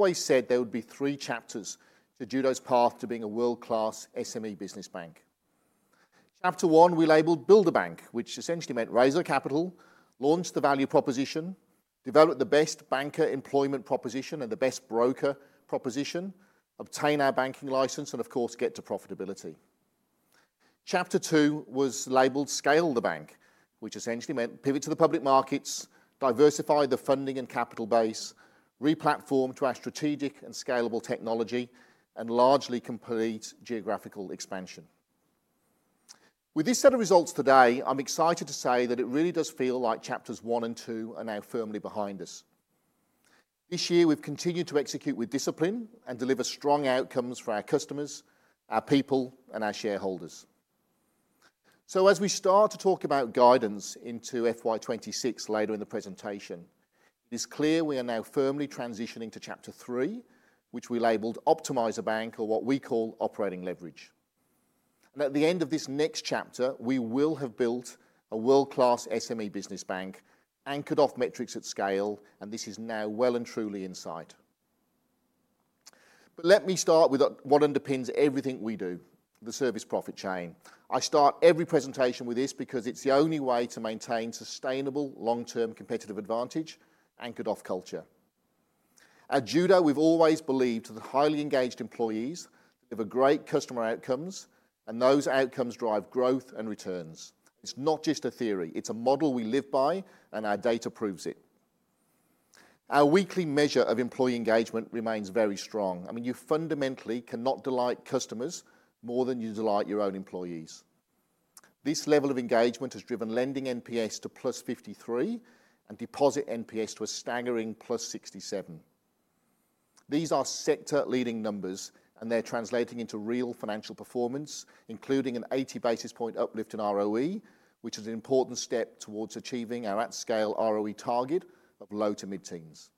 I said there would be three chapters to Judo's path to being a world-class SME business bank. Chapter one we labeled Build a Bank, which essentially meant raise our capital, launch the value proposition, develop the best banker employment proposition and the best broker proposition, obtain our banking license, and of course, get to profitability. Chapter two was labeled Scale the Bank, which essentially meant pivot to the public markets, diversify the funding and capital base, re-platform to our strategic and scalable technology, and largely complete geographical expansion. With this set of results today, I'm excited to say that it really does feel like chapters one and two are now firmly behind us. This year, we've continued to execute with discipline and deliver strong outcomes for our customers, our people, and our shareholders. As we start to talk about guidance into FY26 later in the presentation, it is clear we are now firmly transitioning to chapter three, which we labeled Optimize a Bank or what we call Operating Leverage. At the end of this next chapter, we will have built a world-class SME business bank anchored off metrics at scale, and this is now well and truly in sight. Let me start with what underpins everything we do: the service profit chain. I start every presentation with this because it's the only way to maintain sustainable long-term competitive advantage anchored off culture. At Judo, we've always believed that highly engaged employees give great customer outcomes, and those outcomes drive growth and returns. It's not just a theory; it's a model we live by, and our data proves it. Our weekly measure of employee engagement remains very strong. You fundamentally cannot delight customers more than you delight your own employees. This level of engagement has driven lending NPS to plus 53 and deposit NPS to a staggering plus 67. These are sector-leading numbers, and they're translating into real financial performance, including an 80 basis point uplift in ROE, which is an important step towards achieving our at-scale ROE target of low to mid-teens.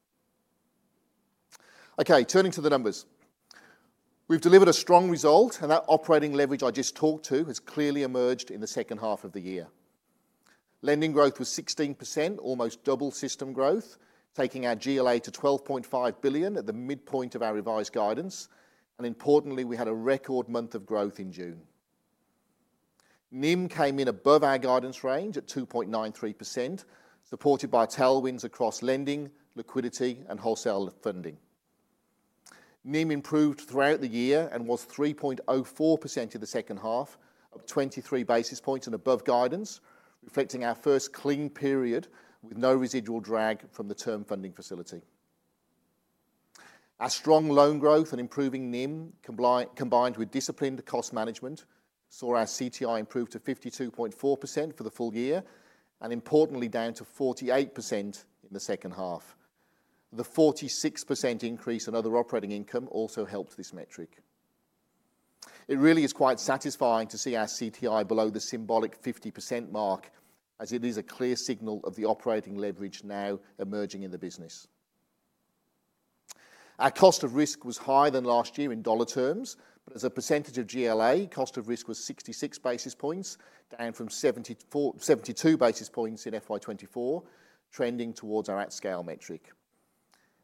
Turning to the numbers, we've delivered a strong result, and that operating leverage I just talked to has clearly emerged in the second half of the year. Lending growth was 16%, almost double system growth, taking our GLA to $12.5 billion at the midpoint of our revised guidance. Importantly, we had a record month of growth in June. NIM came in above our guidance range at 2.93%, supported by tailwinds across lending, liquidity, and wholesale funding. NIM improved throughout the year and was 3.04% in the second half, 23 basis points above guidance, reflecting our first clean period with no residual drag from the term funding facility. Our strong loan growth and improving NIM, combined with disciplined cost management, saw our CTI improve to 52.4% for the full year and, importantly, down to 48% in the second half. The 46% increase in other operating income also helped this metric. It really is quite satisfying to see our CTI below the symbolic 50% mark, as it is a clear signal of the operating leverage now emerging in the business. Our cost of risk was higher than last year in dollar terms, but as a percentage of GLA, cost of risk was 66 basis points, down from 72 basis points in FY24, trending towards our at-scale metric.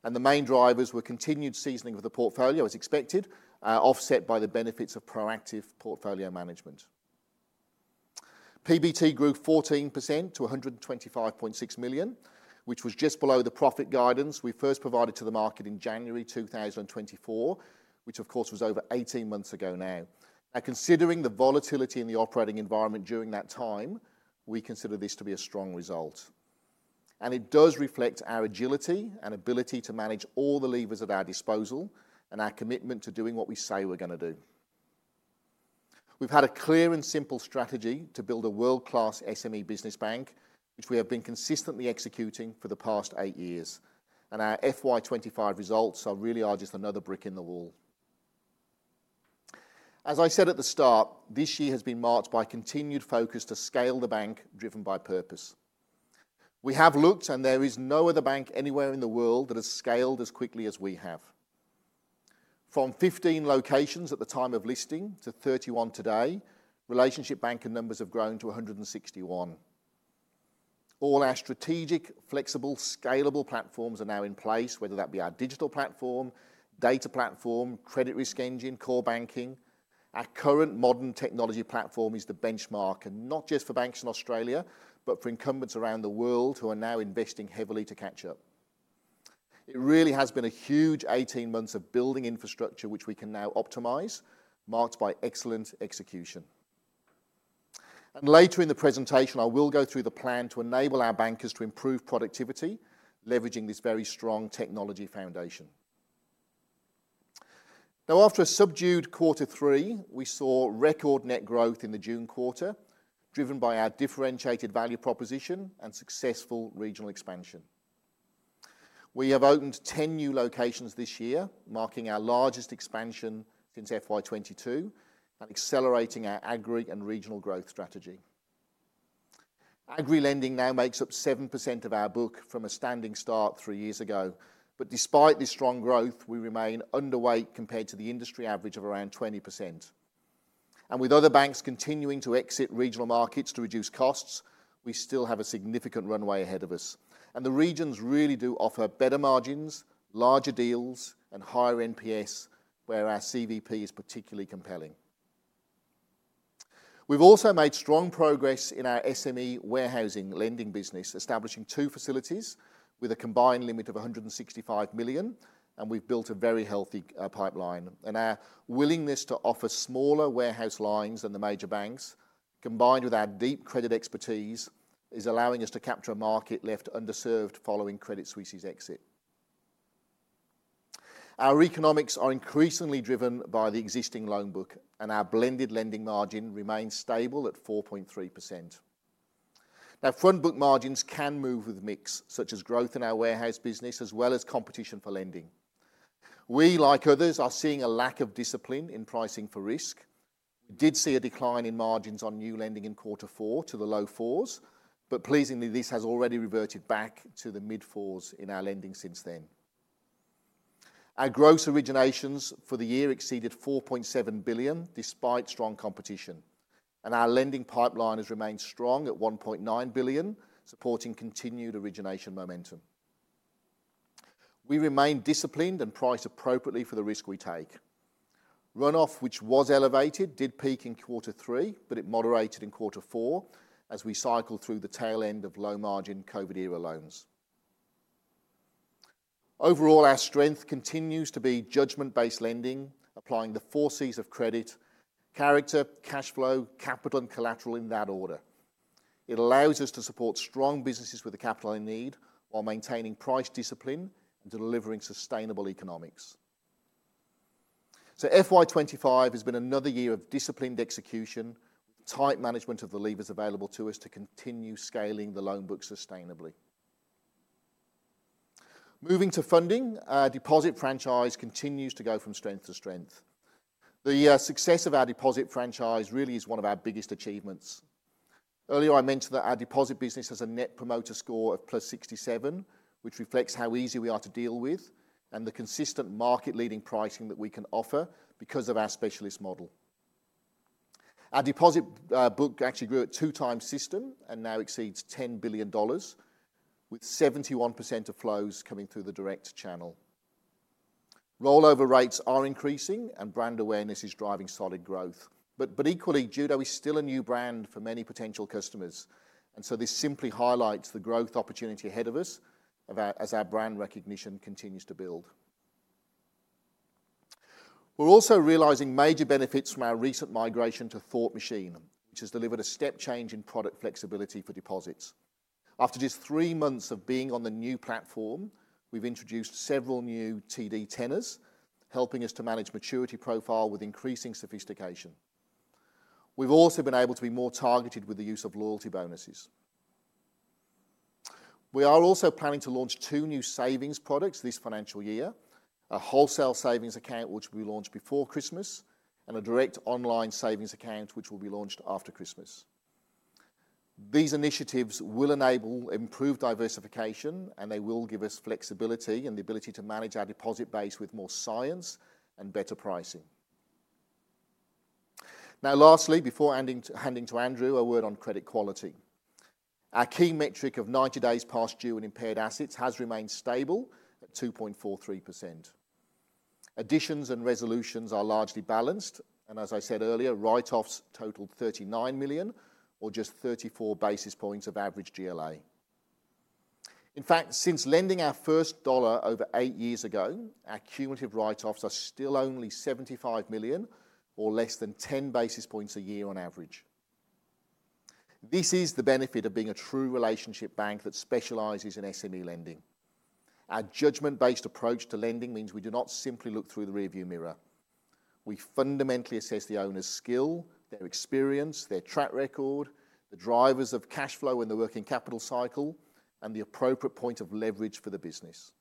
The main drivers were continued seasoning of the portfolio, as expected, offset by the benefits of proactive portfolio management. PBT grew 14% to $125.6 million, which was just below the profit guidance we first provided to the market in January 2024, which, of course, was over 18 months ago now. Considering the volatility in the operating environment during that time, we consider this to be a strong result. It does reflect our agility and ability to manage all the levers at our disposal and our commitment to doing what we say we're going to do. We've had a clear and simple strategy to build a world-class SME business bank, which we have been consistently executing for the past eight years. Our FY25 results really are just another brick in the wall. As I said at the start, this year has been marked by continued focus to scale the bank, driven by purpose. We have looked, and there is no other bank anywhere in the world that has scaled as quickly as we have. From 15 locations at the time of listing to 31 today, relationship banker numbers have grown to 161. All our strategic, flexible, scalable platforms are now in place, whether that be our digital platform, data platform, credit risk engine, core banking. Our current modern technology platform is the benchmark, and not just for banks in Australia, but for incumbents around the world who are now investing heavily to catch up. It really has been a huge 18 months of building infrastructure, which we can now optimize, marked by excellent execution. Later in the presentation, I will go through the plan to enable our bankers to improve productivity, leveraging this very strong technology foundation. After a subdued quarter three, we saw record net growth in the June quarter, driven by our differentiated value proposition and successful regional expansion. We have opened 10 new locations this year, marking our largest expansion since FY22 and accelerating our agri and regional growth strategy. Agri lending now makes up 7% of our book from a standing start three years ago. Despite this strong growth, we remain underweight compared to the industry average of around 20%. With other banks continuing to exit regional markets to reduce costs, we still have a significant runway ahead of us. The regions really do offer better margins, larger deals, and higher NPS, where our CVP is particularly compelling. We've also made strong progress in our SME warehouse lending business, establishing two facilities with a combined limit of $165 million, and we've built a very healthy pipeline. Our willingness to offer smaller warehouse lines than the major banks, combined with our deep credit expertise, is allowing us to capture a market left underserved following Credit Suisse's exit. Our economics are increasingly driven by the existing loan book, and our blended lending margin remains stable at 4.3%. Front book margins can move with mix, such as growth in our warehouse business as well as competition for lending. We, like others, are seeing a lack of discipline in pricing for risk. We did see a decline in margins on new lending in quarter four to the low fours, but pleasingly, this has already reverted back to the mid-fours in our lending since then. Our gross originations for the year exceeded $4.7 billion, despite strong competition. Our lending pipeline has remained strong at $1.9 billion, supporting continued origination momentum. We remain disciplined and price appropriately for the risk we take. Runoff, which was elevated, did peak in quarter three, but it moderated in quarter four as we cycled through the tail end of low margin COVID-era loans. Overall, our strength continues to be judgment-based lending, applying the four Cs of credit: character, cash flow, capital, and collateral in that order. It allows us to support strong businesses with the capital they need while maintaining price discipline and delivering sustainable economics. FY25 has been another year of disciplined execution, tight management of the levers available to us to continue scaling the loan book sustainably. Moving to funding, our deposit franchise continues to go from strength to strength. The success of our deposit franchise really is one of our biggest achievements. Earlier, I mentioned that our deposit business has a Net Promoter Score of +67, which reflects how easy we are to deal with and the consistent market-leading pricing that we can offer because of our specialist model. Our deposit book actually grew at two times system and now exceeds $10 billion, with 71% of flows coming through the direct channel. Rollover rates are increasing, and brand awareness is driving solid growth. Judo is still a new brand for many potential customers. This simply highlights the growth opportunity ahead of us as our brand recognition continues to build. We're also realizing major benefits from our recent migration to Thought Machine, which has delivered a step change in product flexibility for deposits. After just three months of being on the new platform, we've introduced several new TD tenors, helping us to manage maturity profile with increasing sophistication. We've also been able to be more targeted with the use of loyalty bonuses. We are also planning to launch two new savings products this financial year: a wholesale savings account, which we launched before Christmas, and a direct online savings account, which will be launched after Christmas. These initiatives will enable improved diversification, and they will give us flexibility and the ability to manage our deposit base with more science and better pricing. Now, lastly, before handing to Andrew, a word on credit quality. Our key metric of 90 days past due and impaired assets has remained stable at 2.43%. Additions and resolutions are largely balanced, and as I said earlier, write-offs total $39 million, or just 34 basis points of average GLA. In fact, since lending our first dollar over eight years ago, our cumulative write-offs are still only $75 million, or less than 10 basis points a year on average. This is the benefit of being a true relationship bank that specializes in SME lending. Our judgment-based approach to lending means we do not simply look through the rearview mirror. We fundamentally assess the owner's skill, their experience, their track record, the drivers of cash flow in the working capital cycle, and the appropriate point of leverage for the business.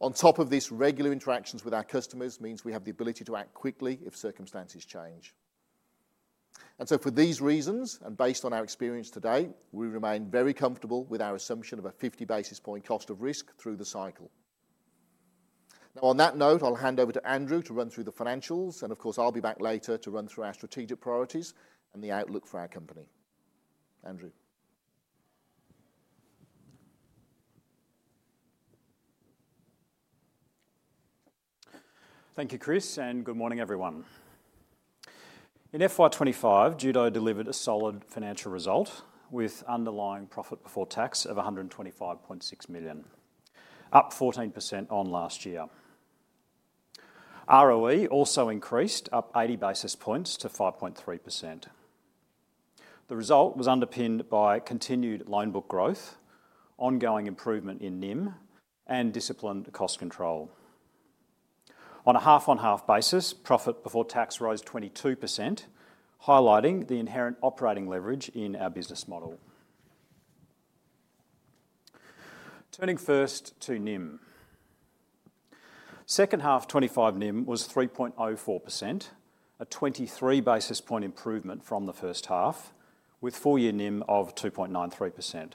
On top of this, regular interactions with our customers mean we have the ability to act quickly if circumstances change. For these reasons, and based on our experience today, we remain very comfortable with our assumption of a 50 basis point cost of risk through the cycle. Now, on that note, I'll hand over to Andrew to run through the financials, and of course, I'll be back later to run through our strategic priorities and the outlook for our company. Andrew. Thank you, Chris, and good morning, everyone. In FY25, Judo delivered a solid financial result with underlying profit before tax of $125.6 million, up 14% on last year. ROE also increased up 80 basis points to 5.3%. The result was underpinned by continued loan book growth, ongoing improvement in NIM, and disciplined cost control. On a half-on-half basis, profit before tax rose 22%, highlighting the inherent operating leverage in our business model. Turning first to NIM. Second half 25 NIM was 3.04%, a 23 basis point improvement from the first half, with full-year NIM of 2.93%.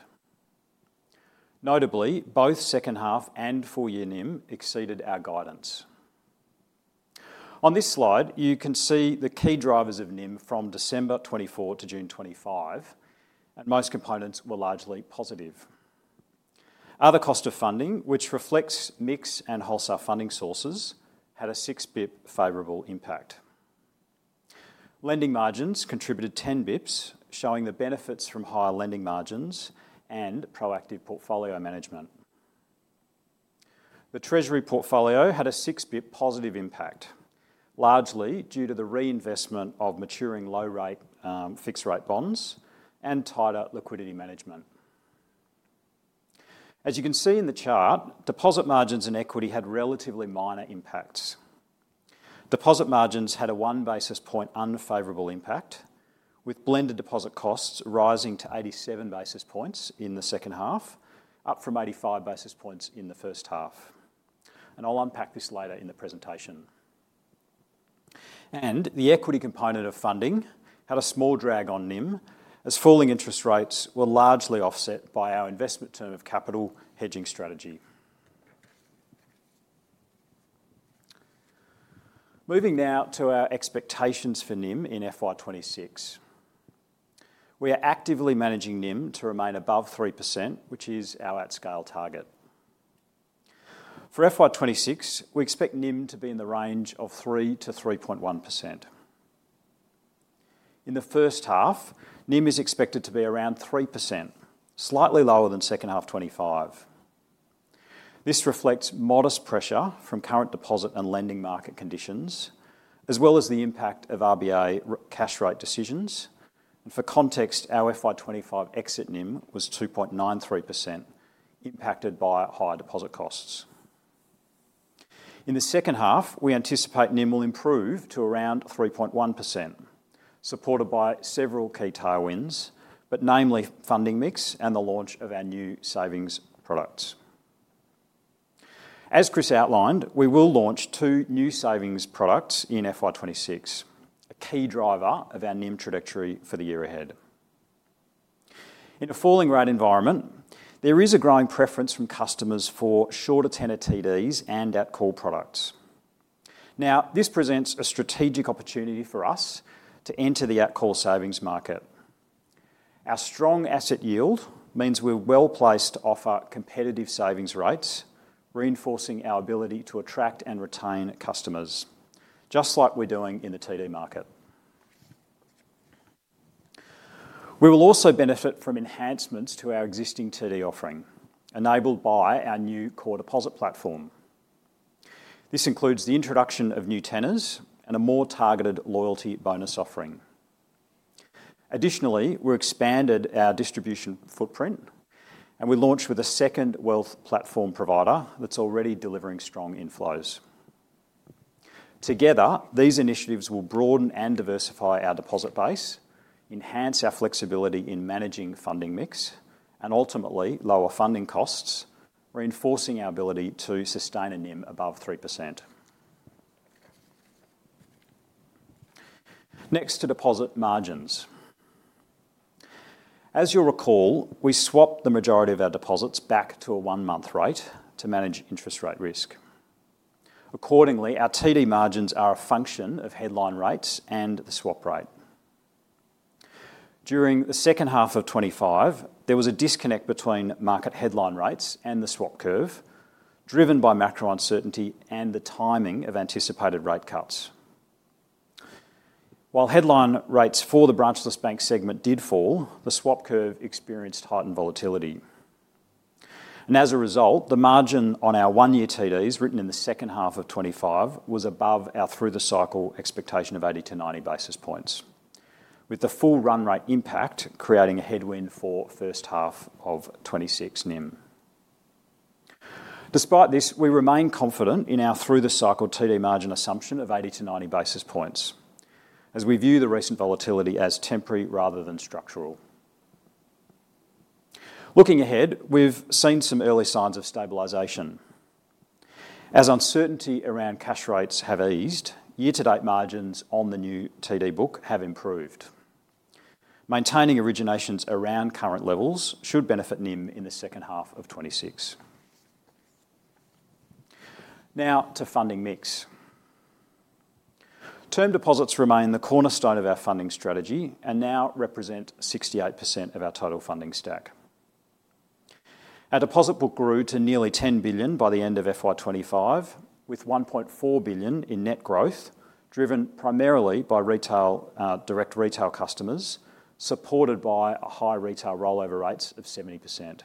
Notably, both second half and full-year NIM exceeded our guidance. On this slide, you can see the key drivers of NIM from December 2024 to June 2025, and most components were largely positive. Other cost of funding, which reflects mix and wholesale funding sources, had a 6 basis point favorable impact. Lending margins contributed 10 basis points, showing the benefits from higher lending margins and proactive portfolio management. The treasury portfolio had a 6 basis point positive impact, largely due to the reinvestment of maturing low-rate fixed-rate bonds and tighter liquidity management. As you can see in the chart, deposit margins and equity had relatively minor impacts. Deposit margins had a 1 basis point unfavorable impact, with blended deposit costs rising to 87 basis points in the second half, up from 85 basis points in the first half. I will unpack this later in the presentation. The equity component of funding had a small drag on NIM, as falling interest rates were largely offset by our investment term of capital hedging strategy. Moving now to our expectations for NIM in FY26. We are actively managing NIM to remain above 3%, which is our at-scale target. For FY26, we expect NIM to be in the range of 3%-3.1%. In the first half, NIM is expected to be around 3%, slightly lower than second half 25. This reflects modest pressure from current deposit and lending market conditions, as well as the impact of RBA cash rate decisions. For context, our FY25 exit NIM was 2.93%, impacted by higher deposit costs. In the second half, we anticipate NIM will improve to around 3.1%, supported by several key tailwinds, namely funding mix and the launch of our new savings products. As Chris outlined, we will launch two new savings products in FY26, a key driver of our NIM trajectory for the year ahead. In a falling rate environment, there is a growing preference from customers for shorter tenor TDs and at-call products. This presents a strategic opportunity for us to enter the at-call savings market. Our strong asset yield means we're well placed to offer competitive savings rates, reinforcing our ability to attract and retain customers, just like we're doing in the TD market. We will also benefit from enhancements to our existing TD offering, enabled by our new core deposit platform. This includes the introduction of new tenors and a more targeted loyalty bonus offering. Additionally, we've expanded our distribution footprint, and we launched with a second wealth platform provider that's already delivering strong inflows. Together, these initiatives will broaden and diversify our deposit base, enhance our flexibility in managing funding mix, and ultimately lower funding costs, reinforcing our ability to sustain a NIM above 3%. Next to deposit margins. As you'll recall, we swapped the majority of our deposits back to a one-month rate to manage interest rate risk. Accordingly, our TD margins are a function of headline rates and the swap rate. During the second half of 2025, there was a disconnect between market headline rates and the swap curve, driven by macro uncertainty and the timing of anticipated rate cuts. While headline rates for the branchless bank segment did fall, the swap curve experienced heightened volatility. As a result, the margin on our one-year TDs written in the second half of 2025 was above our through-the-cycle expectation of 80 to 90 basis points, with the full run rate impact creating a headwind for the first half of 2026 NIM. Despite this, we remain confident in our through-the-cycle TD margin assumption of 80 to 90 basis points, as we view the recent volatility as temporary rather than structural. Looking ahead, we've seen some early signs of stabilization. As uncertainty around cash rates has eased, year-to-date margins on the new TD book have improved. Maintaining originations around current levels should benefit NIM in the second half of 2026. Now to funding mix. Term deposits remain the cornerstone of our funding strategy and now represent 68% of our total funding stack. Our deposit book grew to nearly $10 billion by the end of FY2025, with $1.4 billion in net growth, driven primarily by direct retail customers, supported by high retail rollover rates of 70%.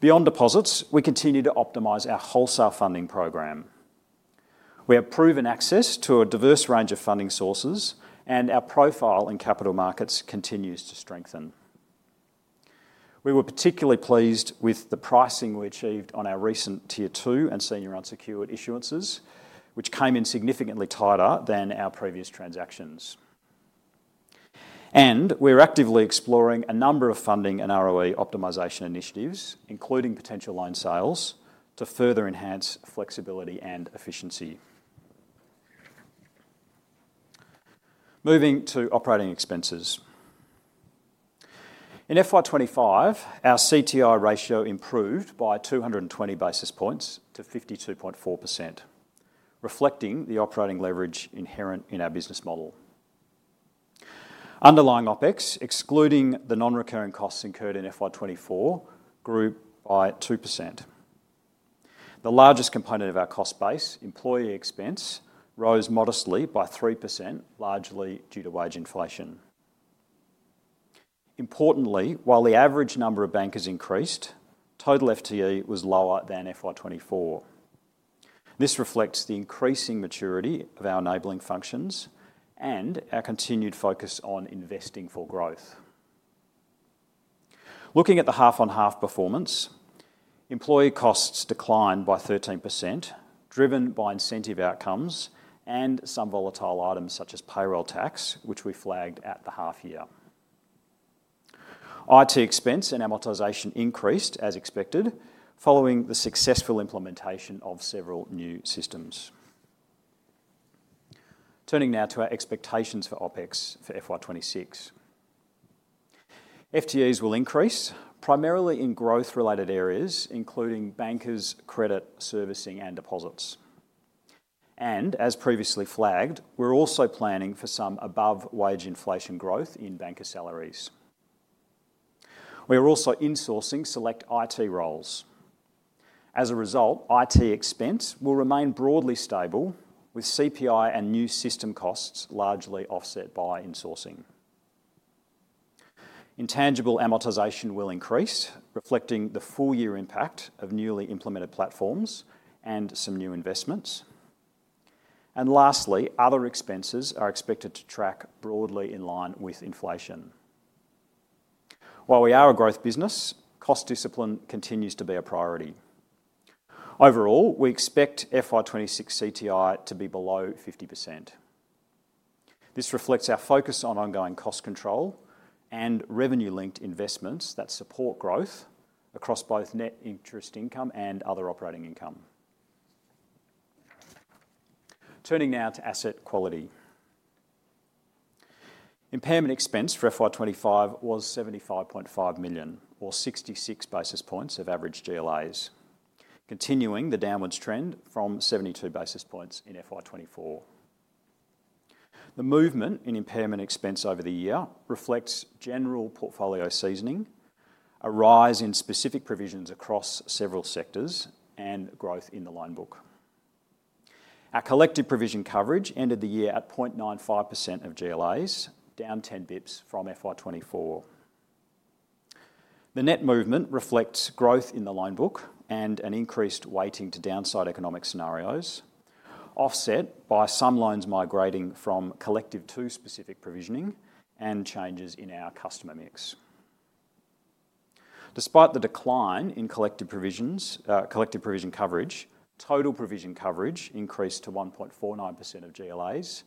Beyond deposits, we continue to optimize our wholesale funding program. We have proven access to a diverse range of funding sources, and our profile in capital markets continues to strengthen. We were particularly pleased with the pricing we achieved on our recent Tier 2 and Senior Unsecured issuances, which came in significantly tighter than our previous transactions. We're actively exploring a number of funding and ROE optimization initiatives, including potential loan sales, to further enhance flexibility and efficiency. Moving to operating expenses. In FY25, our CTI ratio improved by 220 basis points to 52.4%, reflecting the operating leverage inherent in our business model. Underlying OpEx, excluding the non-recurring costs incurred in FY24, grew by 2%. The largest component of our cost base, employee expense, rose modestly by 3%, largely due to wage inflation. Importantly, while the average number of bankers increased, total FTE was lower than FY24. This reflects the increasing maturity of our enabling functions and our continued focus on investing for growth. Looking at the half-on-half performance, employee costs declined by 13%, driven by incentive outcomes and some volatile items such as payroll tax, which we flagged at the half year. IT expense and amortization increased as expected following the successful implementation of several new systems. Turning now to our expectations for OpEx for FY26. FTEs will increase, primarily in growth-related areas, including bankers, credit, servicing, and deposits. As previously flagged, we're also planning for some above-wage inflation growth in banker salaries. We are also insourcing select IT roles. As a result, IT expense will remain broadly stable, with CPI and new system costs largely offset by insourcing. Intangible amortization will increase, reflecting the full-year impact of newly implemented platforms and some new investments. Lastly, other expenses are expected to track broadly in line with inflation. While we are a growth business, cost discipline continues to be a priority. Overall, we expect FY26 CTI to be below 50%. This reflects our focus on ongoing cost control and revenue-linked investments that support growth across both net interest income and other operating income. Turning now to asset quality. Impairment expense for FY25 was $75.5 million, or 66 basis points of average GLAs, continuing the downward trend from 72 basis points in FY24. The movement in impairment expense over the year reflects general portfolio seasoning, a rise in specific provisions across several sectors, and growth in the loan book. Our collective provision coverage ended the year at 0.95% of GLAs, down 10 basis points from FY24. The net movement reflects growth in the loan book and an increased weighting to downside economic scenarios, offset by some loans migrating from collective to specific provisioning and changes in our customer mix. Despite the decline in collective provision coverage, total provision coverage increased to 1.49% of GLAs,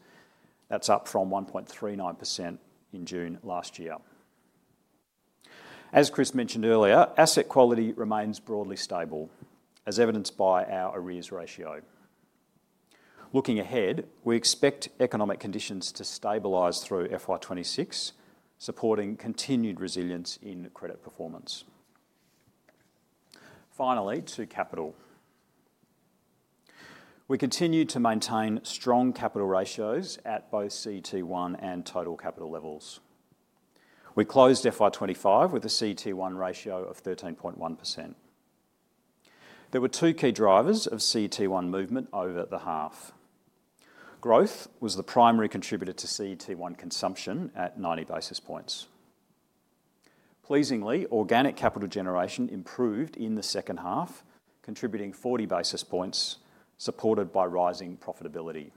up from 1.39% in June last year. As Chris mentioned earlier, asset quality remains broadly stable, as evidenced by our ARIES ratio. Looking ahead, we expect economic conditions to stabilize through FY26, supporting continued resilience in credit performance. Finally, to capital. We continue to maintain strong capital ratios at both CET1 and total capital levels. We closed FY25 with a CET1 ratio of 13.1%. There were two key drivers of CET1 movement over the half. Growth was the primary contributor to CET1 consumption at 90 basis points. Pleasingly, organic capital generation improved in the second half, contributing 40 basis points, supported by rising profitability.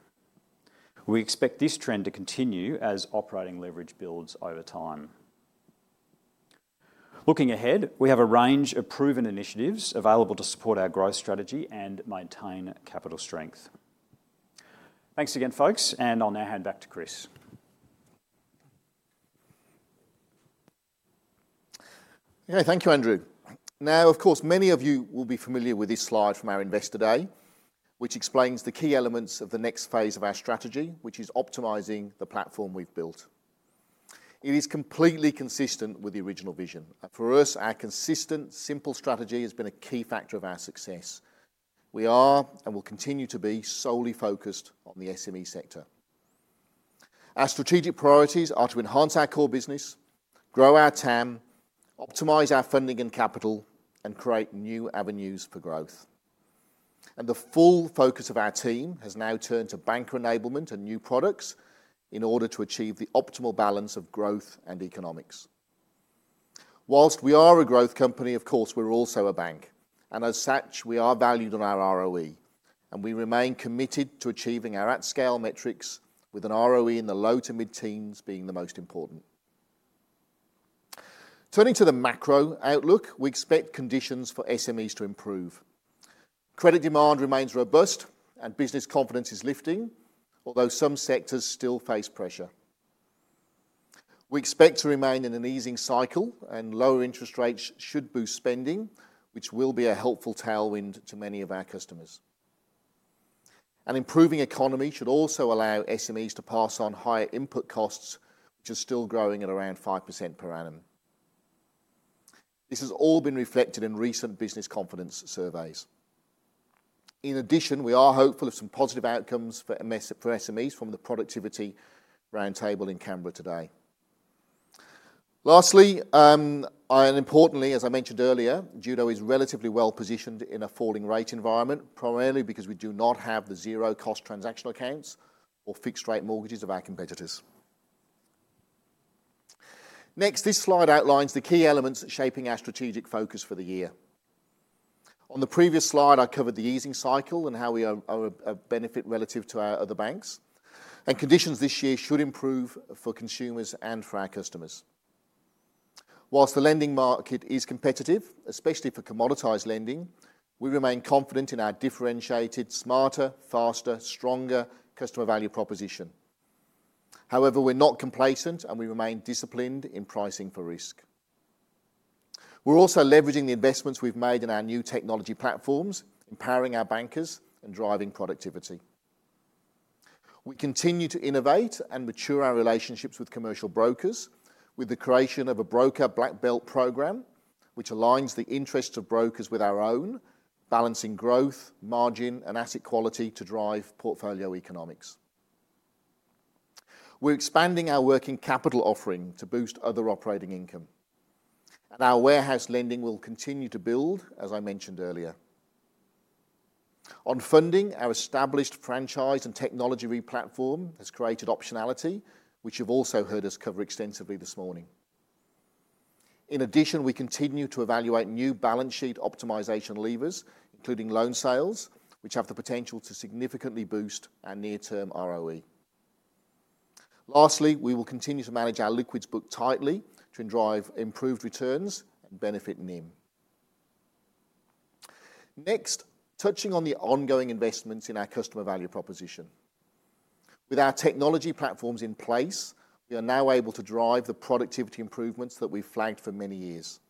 We expect this trend to continue as operating leverage builds over time. Looking ahead, we have a range of proven initiatives available to support our growth strategy and maintain capital strength. Thanks again, folks, and I'll now hand back to Chris. Okay, thank you, Andrew. Now, of course, many of you will be familiar with this slide from our investor day, which explains the key elements of the next phase of our strategy, which is optimizing the platform we've built. It is completely consistent with the original vision. For us, our consistent, simple strategy has been a key factor of our success. We are, and will continue to be, solely focused on the SME sector. Our strategic priorities are to enhance our core business, grow our TAM, optimize our funding and capital, and create new avenues for growth. The full focus of our team has now turned to banker enablement and new products in order to achieve the optimal balance of growth and economics. Whilst we are a growth company, of course, we're also a bank. As such, we are valued on our ROE, and we remain committed to achieving our at-scale metrics with an ROE in the low to mid-teens being the most important. Turning to the macro outlook, we expect conditions for SMEs to improve. Credit demand remains robust, and business confidence is lifting, although some sectors still face pressure. We expect to remain in an easing cycle, and lower interest rates should boost spending, which will be a helpful tailwind to many of our customers. An improving economy should also allow SMEs to pass on higher input costs, which are still growing at around 5% per annum. This has all been reflected in recent business confidence surveys. In addition, we are hopeful of some positive outcomes for SMEs from the productivity roundtable in Canberra today. Lastly, and importantly, as I mentioned earlier, Judo is relatively well positioned in a falling rate environment, primarily because we do not have the zero-cost transactional accounts or fixed-rate mortgages of our competitors. Next, this slide outlines the key elements shaping our strategic focus for the year. On the previous slide, I covered the easing cycle and how we are a benefit relative to our other banks, and conditions this year should improve for consumers and for our customers. Whilst the lending market is competitive, especially for commoditized lending, we remain confident in our differentiated, smarter, faster, stronger customer value proposition. However, we're not complacent, and we remain disciplined in pricing for risk. We're also leveraging the investments we've made in our new technology platforms, empowering our bankers and driving productivity. We continue to innovate and mature our relationships with commercial brokers, with the creation of a broker black belt program, which aligns the interests of brokers with our own, balancing growth, margin, and asset quality to drive portfolio economics. We're expanding our working capital offering to boost other operating income, to drive improved returns and benefit NIM. Next, touching on the ongoing investments in our customer value proposition. With our technology platforms in place, we are now able to drive the productivity improvements that we've flagged for many years.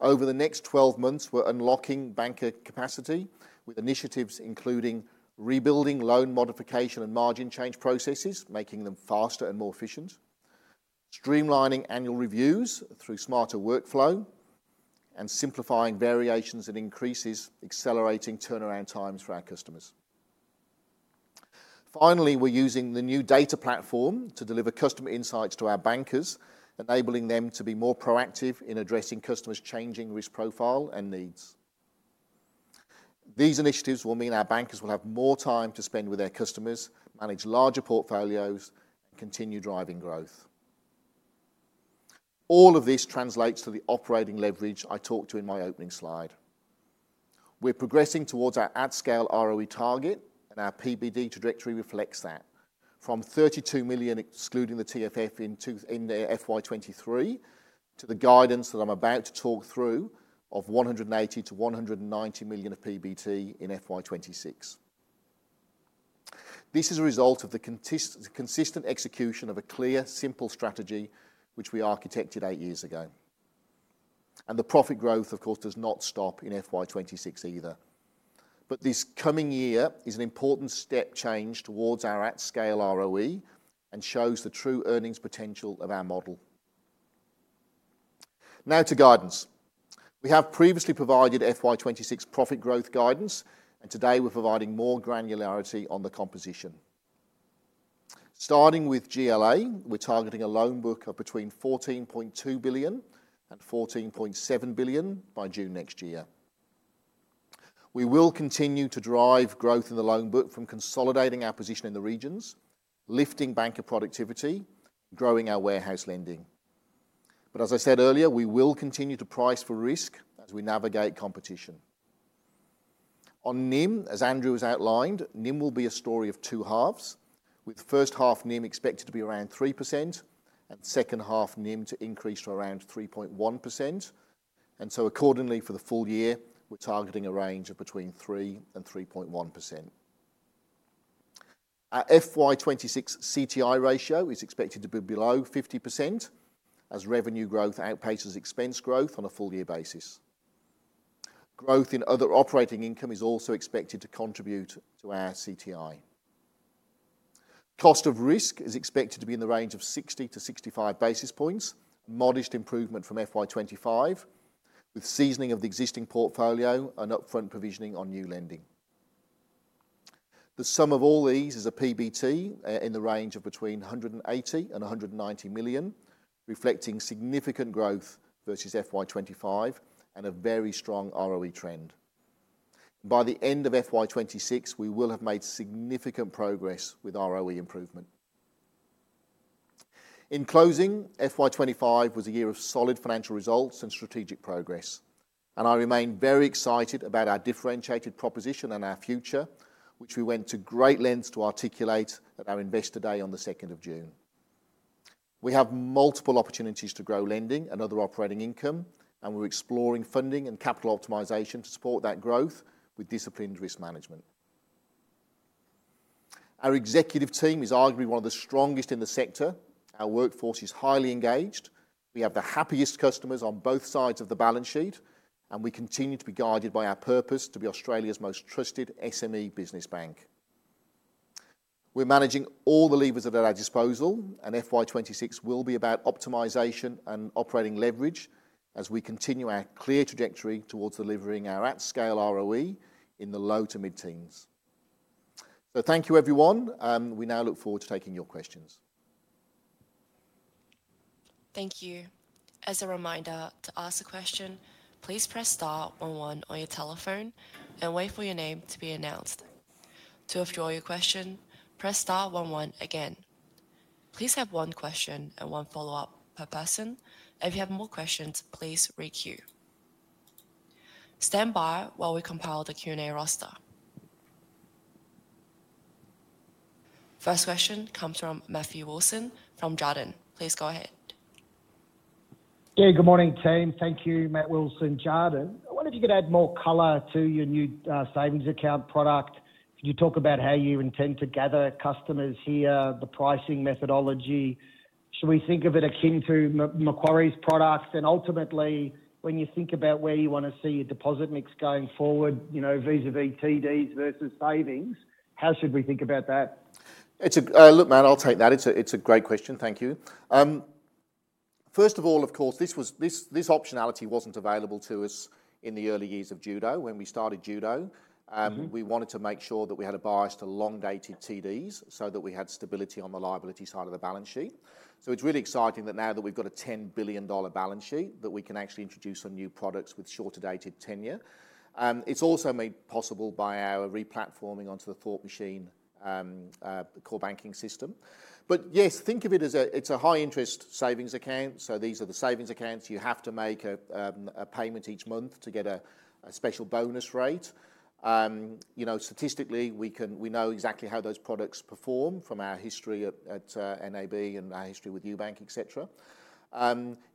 Over the next 12 months, we're unlocking banker capacity with initiatives including rebuilding loan modification and margin change processes, making them faster and more efficient, streamlining annual reviews through smarter workflow, and simplifying variations and increases, accelerating turnaround times for our customers. Finally, we're using the new data platform to deliver customer insights to our bankers, enabling them to be more proactive in addressing customers' changing risk profile and needs. These initiatives will mean our bankers will have more time to spend with their customers, manage larger portfolios, and continue driving growth. All of this translates to the operating leverage I talked to in my opening slide. We're progressing towards our at-scale ROE target, and our PBT trajectory reflects that. From $32 million, excluding the TFF in FY23, to the guidance that I'm about to talk through of $180-$190 million of PBT in FY26. This is a result of the consistent execution of a clear, simple strategy, which we architected eight years ago. The profit growth, of course, does not stop in FY26 either. This coming year is an important step change towards our at-scale ROE and shows the true earnings potential of our model. Now to guidance. We have previously provided FY26 profit growth guidance, and today we're providing more granularity on the composition. Starting with GLA, we're targeting a loan book of between $14.2 billion and $14.7 billion by June next year. We will continue to drive growth in the loan book from consolidating our position in the regions, lifting banker productivity, and growing our warehouse lending. As I said earlier, we will continue to price for risk as we navigate competition. On NIM, as Andrew has outlined, NIM will be a story of two halves, with first half NIM expected to be around 3% and second half NIM to increase to around 3.1%. Accordingly, for the full year, we're targeting a range of between 3% and 3.1%. Our FY26 CTI ratio is expected to be below 50% as revenue growth outpaces expense growth on a full-year basis. Growth in other operating income is also expected to contribute to our CTI. Cost of risk is expected to be in the range of 60-65 basis points, a modest improvement from FY25, with seasoning of the existing portfolio and upfront provisioning on new lending. The sum of all these is a PBT in the range of between $180 million and $190 million, reflecting significant growth versus FY25 and a very strong ROE trend. By the end of FY26, we will have made significant progress with ROE improvement. In closing, FY25 was a year of solid financial results and strategic progress. I remain very excited about our differentiated proposition and our future, which we went to great lengths to articulate at our investor day on the 2nd of June. We have multiple opportunities to grow lending and other operating income, and we're exploring funding and capital optimization to support that growth with disciplined risk management. Our executive team is arguably one of the strongest in the sector. Our workforce is highly engaged. We have the happiest customers on both sides of the balance sheet, and we continue to be guided by our purpose to be Australia's most trusted SME business bank. We're managing all the levers at our disposal, and FY26 will be about optimization and operating leverage as we continue our clear trajectory towards delivering our at-scale ROE in the low to mid-teens. Thank you, everyone. We now look forward to taking your questions. Thank you. As a reminder, to ask a question, please press star one one on your telephone and wait for your name to be announced. To withdraw your question, press star one one again. Please have one question and one follow-up per person. If you have more questions, please re-queue. Stand by while we compile the Q&A roster. First question comes from Matthew Wilson from Jarden. Please go ahead. Yeah, good morning, James. Thank you, Matt Wilson. Jarden, I wonder if you could add more color to your new savings account product. Could you talk about how you intend to gather customers here, the pricing methodology? Should we think of it akin to Macquarie's products? Ultimately, when you think about where you want to see your deposit mix going forward, you know, vis-à-vis TDs versus savings, how should we think about that? Look, Matt, I'll take that. It's a great question. Thank you. First of all, of course, this optionality wasn't available to us in the early years of Judo. When we started Judo, we wanted to make sure that we had a bias to long-dated term deposits so that we had stability on the liability side of the balance sheet. It's really exciting that now that we've got a $10 billion balance sheet, we can actually introduce some new products with shorter-dated tenure. It's also made possible by our replatforming onto the Thought Machine core banking platform. Yes, think of it as a high interest online savings account. These are the savings accounts where you have to make a payment each month to get a special bonus rate. Statistically, we know exactly how those products perform from our history at Macquarie and our history with Ubank, etc.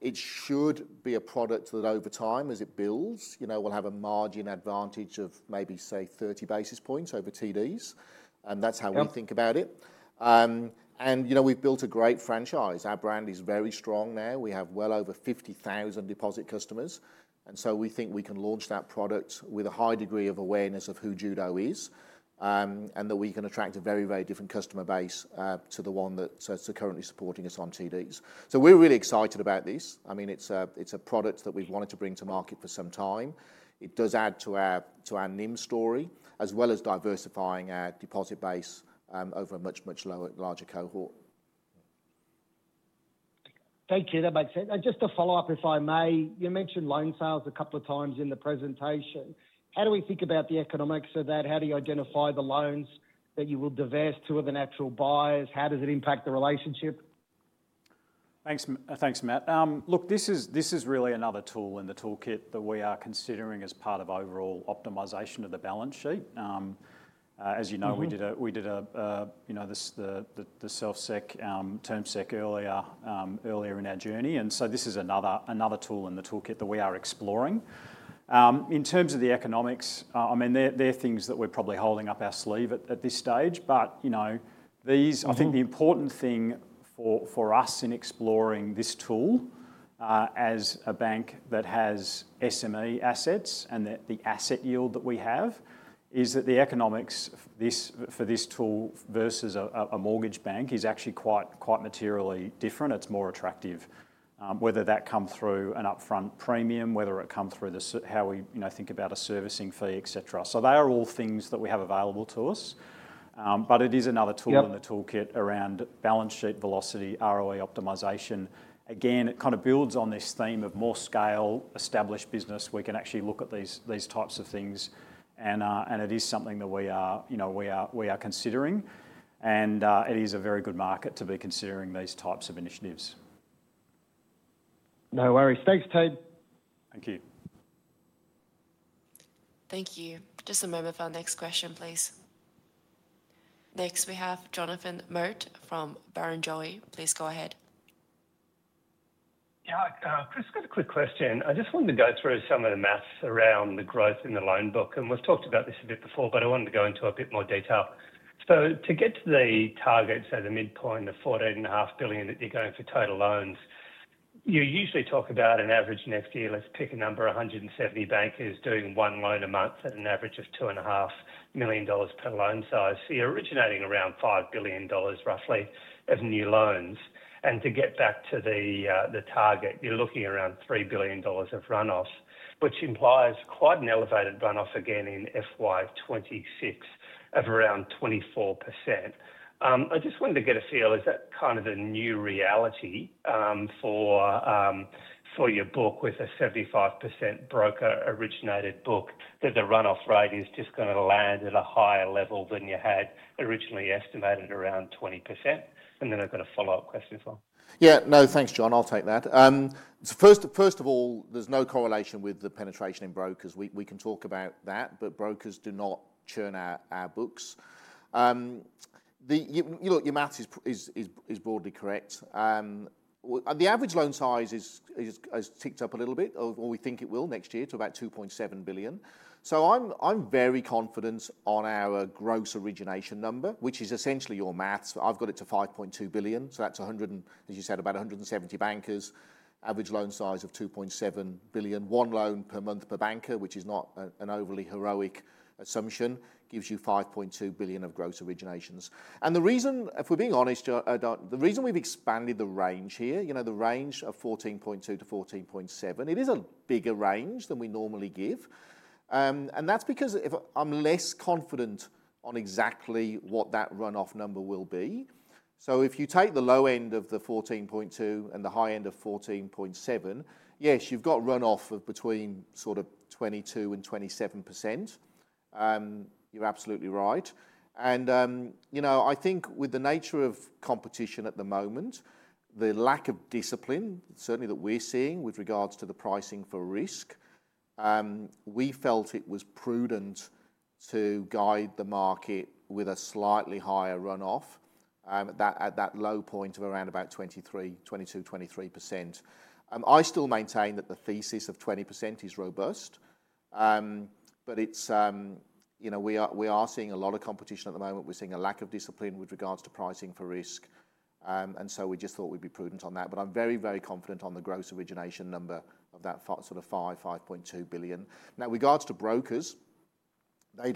It should be a product that over time, as it builds, will have a margin advantage of maybe, say, 30 basis points over term deposits. That's how we think about it. We've built a great franchise. Our brand is very strong now. We have well over 50,000 deposit customers, and we think we can launch that product with a high degree of awareness of who Judo is and that we can attract a very, very different customer base to the one that's currently supporting us on term deposits. We're really excited about this. It's a product that we've wanted to bring to market for some time. It does add to our NIM story, as well as diversifying our deposit base over a much, much larger cohort. Thank you. That makes sense. Just to follow up, if I may, you mentioned loan sales a couple of times in the presentation. How do we think about the economics of that? How do you identify the loans that you will divest to other natural buyers? How does it impact the relationship? Thanks, Matt. Look, this is really another tool in the toolkit that we are considering as part of overall optimization of the balance sheet. As you know, we did the self-sec term sec earlier in our journey. This is another tool in the toolkit that we are exploring. In terms of the economics, there are things that we're probably holding up our sleeve at this stage. I think the important thing for us in exploring this tool as a bank that has SME assets and the asset yield that we have is that the economics for this tool versus a mortgage bank is actually quite materially different. It's more attractive, whether that comes through an upfront premium, whether it comes through how we think about a servicing fee, etc. They are all things that we have available to us. It is another tool in the toolkit around balance sheet velocity, ROA optimization. Again, it kind of builds on this theme of more scale, established business. We can actually look at these types of things. It is something that we are considering. It is a very good market to be considering these types of initiatives. No worries. Thanks, team. Thank you. Thank you. Just a moment for our next question, please. Next, we have Jonathan Mott from Barrenjoey. Please go ahead. Yeah, Chris, I've got a quick question. I just wanted to go through some of the maths around the growth in the loan book. We've talked about this a bit before, but I wanted to go into a bit more detail. To get to the target, say the midpoint of $14.5 billion that you're going for total loans, you usually talk about an average next year. Let's pick a number, 170 bankers doing one loan a month at an average of $2.5 million per loan size. You're originating around $5 billion roughly of new loans. To get back to the target, you're looking around $3 billion of runoff, which implies quite an elevated runoff again in FY2026 of around 24%. I just wanted to get a feel, is that kind of the new reality for your book with a 75% broker-originated book, that the runoff rate is just going to land at a higher level than you had originally estimated around 20%? I've got a follow-up question for. Yeah, no, thanks, John. I'll take that. First of all, there's no correlation with the penetration in brokers. We can talk about that, but brokers do not churn out our books. Your math is broadly correct. The average loan size has ticked up a little bit, or we think it will next year to about $2.7 billion. I'm very confident on our gross origination number, which is essentially your math. I've got it to $5.2 billion. That's 100, as you said, about 170 bankers, average loan size of $2.7 billion. One loan per month per banker, which is not an overly heroic assumption, gives you $5.2 billion of gross originations. The reason, if we're being honest, the reason we've expanded the range here, the range of $14.2-$14.7 billion, it is a bigger range than we normally give. That's because I'm less confident on exactly what that runoff number will be. If you take the low end of the $14.2 and the high end of $14.7, yes, you've got runoff of between sort of 22% and 27%. You're absolutely right. I think with the nature of competition at the moment, the lack of discipline, certainly that we're seeing with regards to the pricing for risk, we felt it was prudent to guide the market with a slightly higher runoff at that low point of around about 22%, 23%. I still maintain that the thesis of 20% is robust, but we are seeing a lot of competition at the moment. We're seeing a lack of discipline with regards to pricing for risk. We just thought we'd be prudent on that. I'm very, very confident on the gross origination number of that sort of $5 billion, $5.2 billion. In regards to brokers, they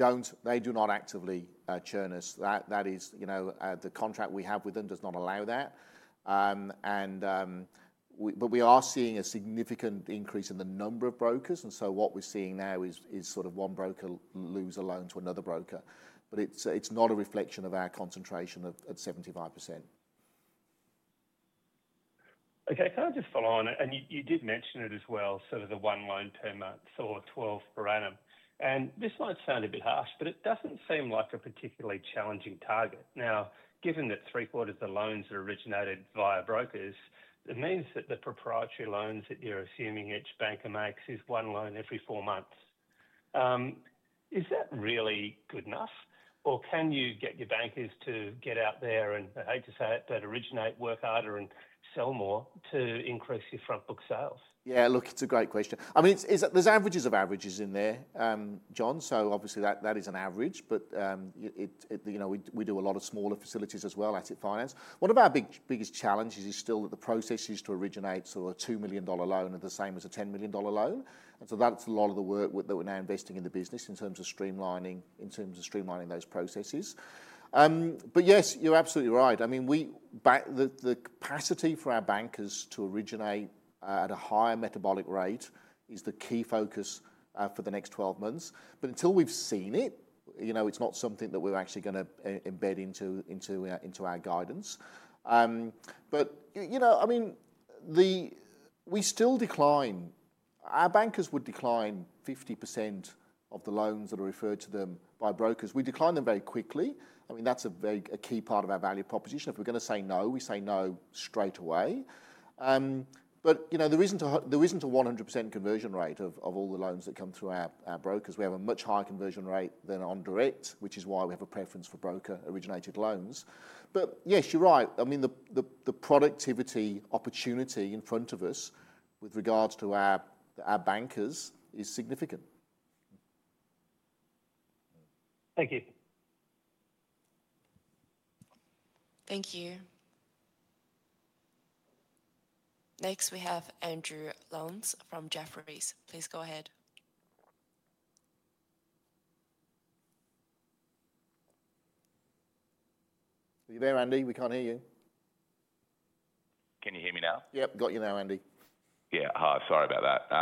do not actively churn us. That is, the contract we have with them does not allow that. We are seeing a significant increase in the number of brokers. What we're seeing now is sort of one broker lose a loan to another broker. It's not a reflection of our concentration at 75%. Okay, can I just follow on? You did mention it as well, sort of the one loan per month or 12 per annum. This might sound a bit harsh, but it doesn't seem like a particularly challenging target. Now, given that three-quarters of the loans are originated via brokers, it means that the proprietary loans that you're assuming each banker makes is one loan every four months. Is that really good enough? Can you get your bankers to get out there and, I hate to say it, but originate, work harder, and sell more to increase your front book sales? Yeah, look, it's a great question. I mean, there's averages of averages in there, John. Obviously, that is an average. You know, we do a lot of smaller facilities as well, asset finance. One of our biggest challenges is still that the processes to originate a $2 million loan are the same as a $10 million loan. That's a lot of the work that we're now investing in the business in terms of streamlining those processes. Yes, you're absolutely right. I mean, the capacity for our bankers to originate at a higher metabolic rate is the key focus for the next 12 months. Until we've seen it, it's not something that we're actually going to embed into our guidance. You know, we still decline. Our bankers would decline 50% of the loans that are referred to them by brokers. We decline them very quickly. That's a key part of our value proposition. If we're going to say no, we say no straight away. There isn't a 100% conversion rate of all the loans that come through our brokers. We have a much higher conversion rate than on direct, which is why we have a preference for broker-originated loans. Yes, you're right. I mean, the productivity opportunity in front of us with regards to our bankers is significant. Thank you. Thank you. Next, we have Andrew Lyons from Jefferies. Please go ahead. Are you there, Andy? We can't hear you. Can you hear me now? Yeah, got you now, Andrew. Yeah, hi, sorry about that.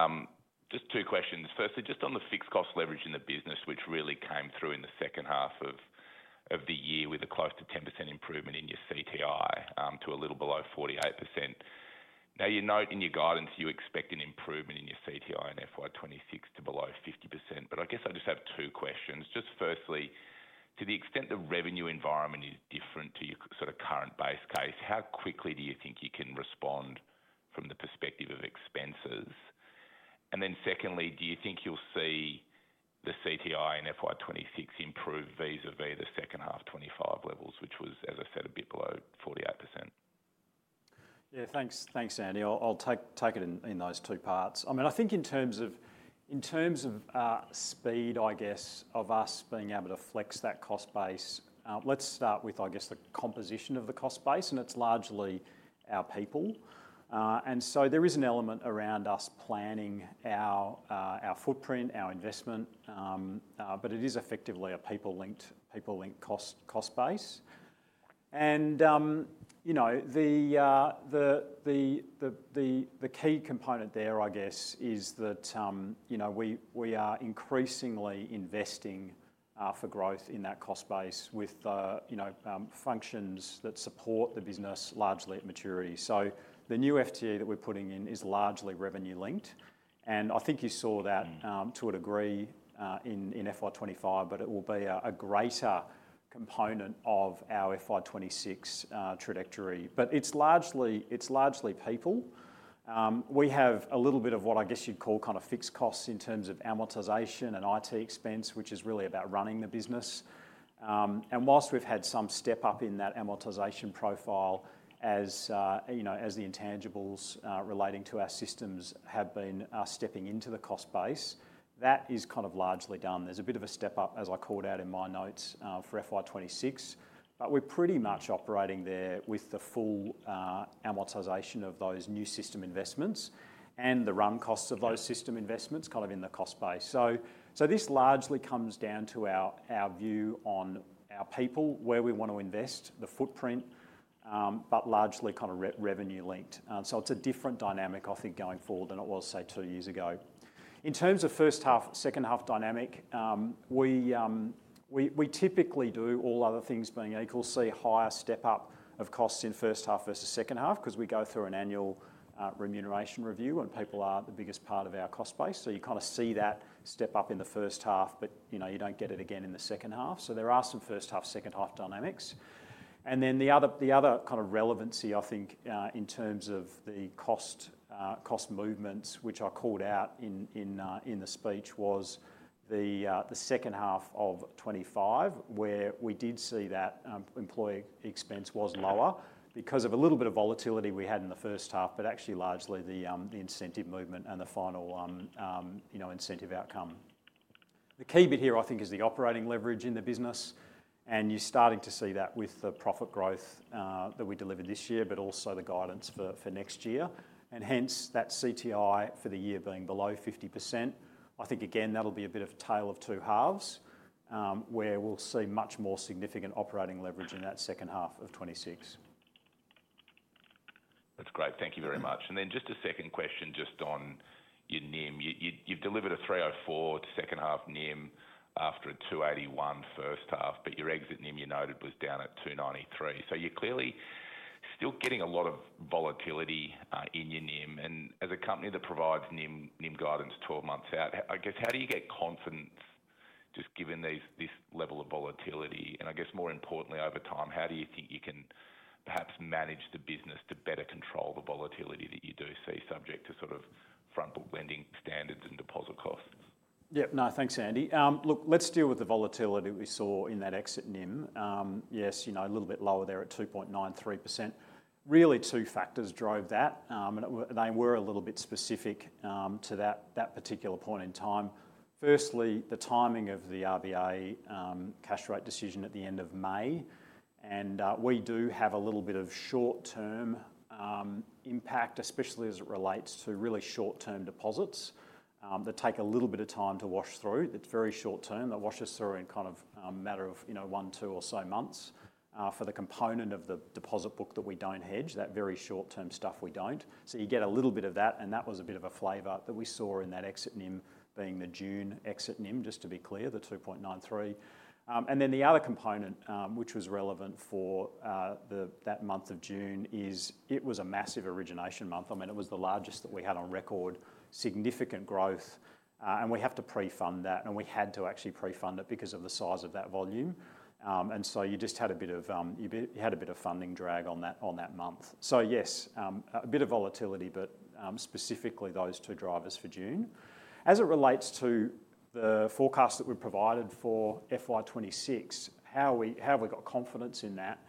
Just two questions. Firstly, just on the fixed cost leverage in the business, which really came through in the second half of the year with a close to 10% improvement in your CTI to a little below 48%. You note in your guidance you expect an improvement in your CTI in FY26 to below 50%. I guess I just have two questions. Firstly, to the extent the revenue environment is different to your sort of current base case, how quickly do you think you can respond from the perspective of expenses? Secondly, do you think you'll see the CTI in FY26 improve vis-à-vis the second half 25 levels, which was, as I said, a bit below 48%? Yeah, thanks, thanks, Andy. I'll take it in those two parts. I mean, I think in terms of speed, I guess, of us being able to flex that cost base, let's start with, I guess, the composition of the cost base, and it's largely our people. There is an element around us planning our footprint, our investment, but it is effectively a people-linked cost base. The key component there, I guess, is that we are increasingly investing for growth in that cost base with functions that support the business largely at maturity. The new FTE that we're putting in is largely revenue-linked. I think you saw that to a degree in FY25, but it will be a greater component of our FY26 trajectory. It's largely people. We have a little bit of what I guess you'd call kind of fixed costs in terms of amortization and IT expense, which is really about running the business. Whilst we've had some step up in that amortization profile as the intangibles relating to our systems have been stepping into the cost base, that is kind of largely done. There's a bit of a step up, as I called out in my notes for FY26, but we're pretty much operating there with the full amortization of those new system investments and the run costs of those system investments kind of in the cost base. This largely comes down to our view on our people, where we want to invest, the footprint, but largely kind of revenue linked. It's a different dynamic, I think, going forward than it was, say, two years ago. In terms of first half, second half dynamic, we typically do all other things, but you can see a higher step up of costs in first half versus second half because we go through an annual remuneration review when people are the biggest part of our cost base. You kind of see that step up in the first half, but you don't get it again in the second half. There are some first half, second half dynamics. The other kind of relevancy, I think, in terms of the cost movements, which I called out in the speech, was the second half of 2025, where we did see that employee expense was lower because of a little bit of volatility we had in the first half, but actually largely the incentive movement and the final incentive outcome. The key bit here, I think, is the operating leverage in the business. You're starting to see that with the profit growth that we delivered this year, but also the guidance for next year. Hence, that CTI for the year being below 50%. I think, again, that'll be a bit of a tale of two halves, where we'll see much more significant operating leverage in that second half of 2026. That's great. Thank you very much. Just a second question on your NIM. You've delivered a 3.04% second half NIM after a 2.81% first half, but your exit NIM, you noted, was down at 2.93%. You're clearly still getting a lot of volatility in your NIM. As a company that provides NIM guidance 12 months out, I guess, how do you get confidence just given this level of volatility? More importantly, over time, how do you think you can perhaps manage the business to better control the volatility that you do see subject to sort of front lending standards and deposit costs? Yeah, no, thanks, Andy. Look, let's deal with the volatility we saw in that exit NIM. Yes, you know, a little bit lower there at 2.93%. Really, two factors drove that. They were a little bit specific to that particular point in time. Firstly, the timing of the RBA cash rate decision at the end of May. We do have a little bit of short-term impact, especially as it relates to really short-term deposits that take a little bit of time to wash through. That's very short-term. That washes through in kind of a matter of, you know, one, two or so months. For the component of the deposit book that we don't hedge, that very short-term stuff we don't. You get a little bit of that. That was a bit of a flavor that we saw in that exit NIM being the June exit NIM, just to be clear, the 2.93%. The other component, which was relevant for that month of June, is it was a massive origination month. I mean, it was the largest that we had on record, significant growth. We have to pre-fund that. We had to actually pre-fund it because of the size of that volume. You just had a bit of, you had a bit of funding drag on that month. Yes, a bit of volatility, but specifically those two drivers for June. As it relates to the forecasts that were provided for FY26, how have we got confidence in that?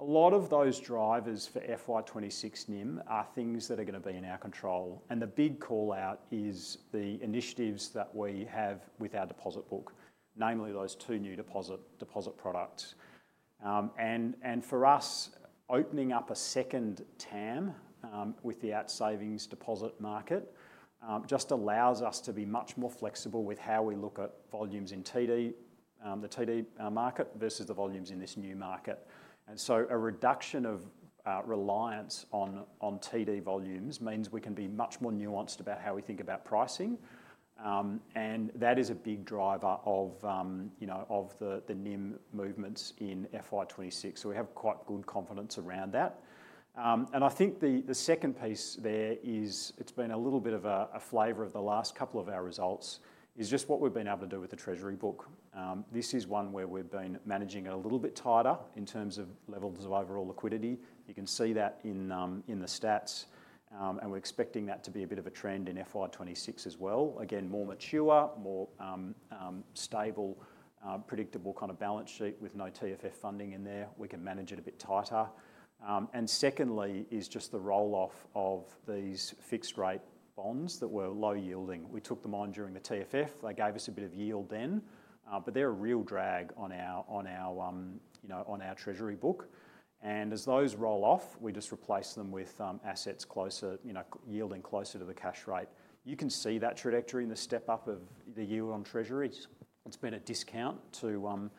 A lot of those drivers for FY26 NIM are things that are going to be in our control. The big call out is the initiatives that we have with our deposit book, namely those two new deposit products. For us, opening up a second TAM with the out savings deposit market just allows us to be much more flexible with how we look at volumes in TD, the TD market versus the volumes in this new market. A reduction of reliance on TD volumes means we can be much more nuanced about how we think about pricing. That is a big driver of, you know, of the NIM movements in FY26. We have quite good confidence around that. I think the second piece there is it's been a little bit of a flavor of the last couple of our results, is just what we've been able to do with the treasury book. This is one where we've been managing it a little bit tighter in terms of levels of overall liquidity. You can see that in the stats. We're expecting that to be a bit of a trend in FY26 as well. Again, more mature, more stable, predictable kind of balance sheet with no TFF funding in there. We can manage it a bit tighter. Secondly, it's just the rolloff of these fixed-rate bonds that were low yielding. We took them on during the TFF. They gave us a bit of yield then, but they're a real drag on our treasury book. As those roll off, we just replace them with assets yielding closer to the cash rate. You can see that trajectory in the step up of the yield on treasury. It's been a discount to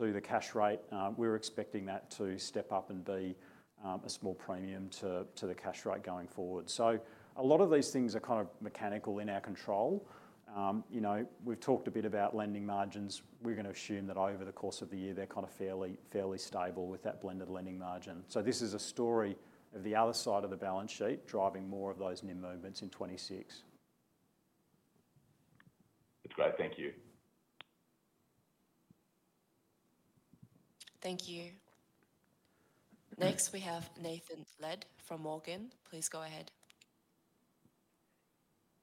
the cash rate. We're expecting that to step up and be a small premium to the cash rate going forward. A lot of these things are kind of mechanical in our control. We've talked a bit about lending margins. We're going to assume that over the course of the year, they're kind of fairly, fairly stable with that blended lending margin. This is a story of the other side of the balance sheet driving more of those NIM movements in 2026. That's great. Thank you. Thank you. Next, we have Nathan Lee from Morgan. Please go ahead.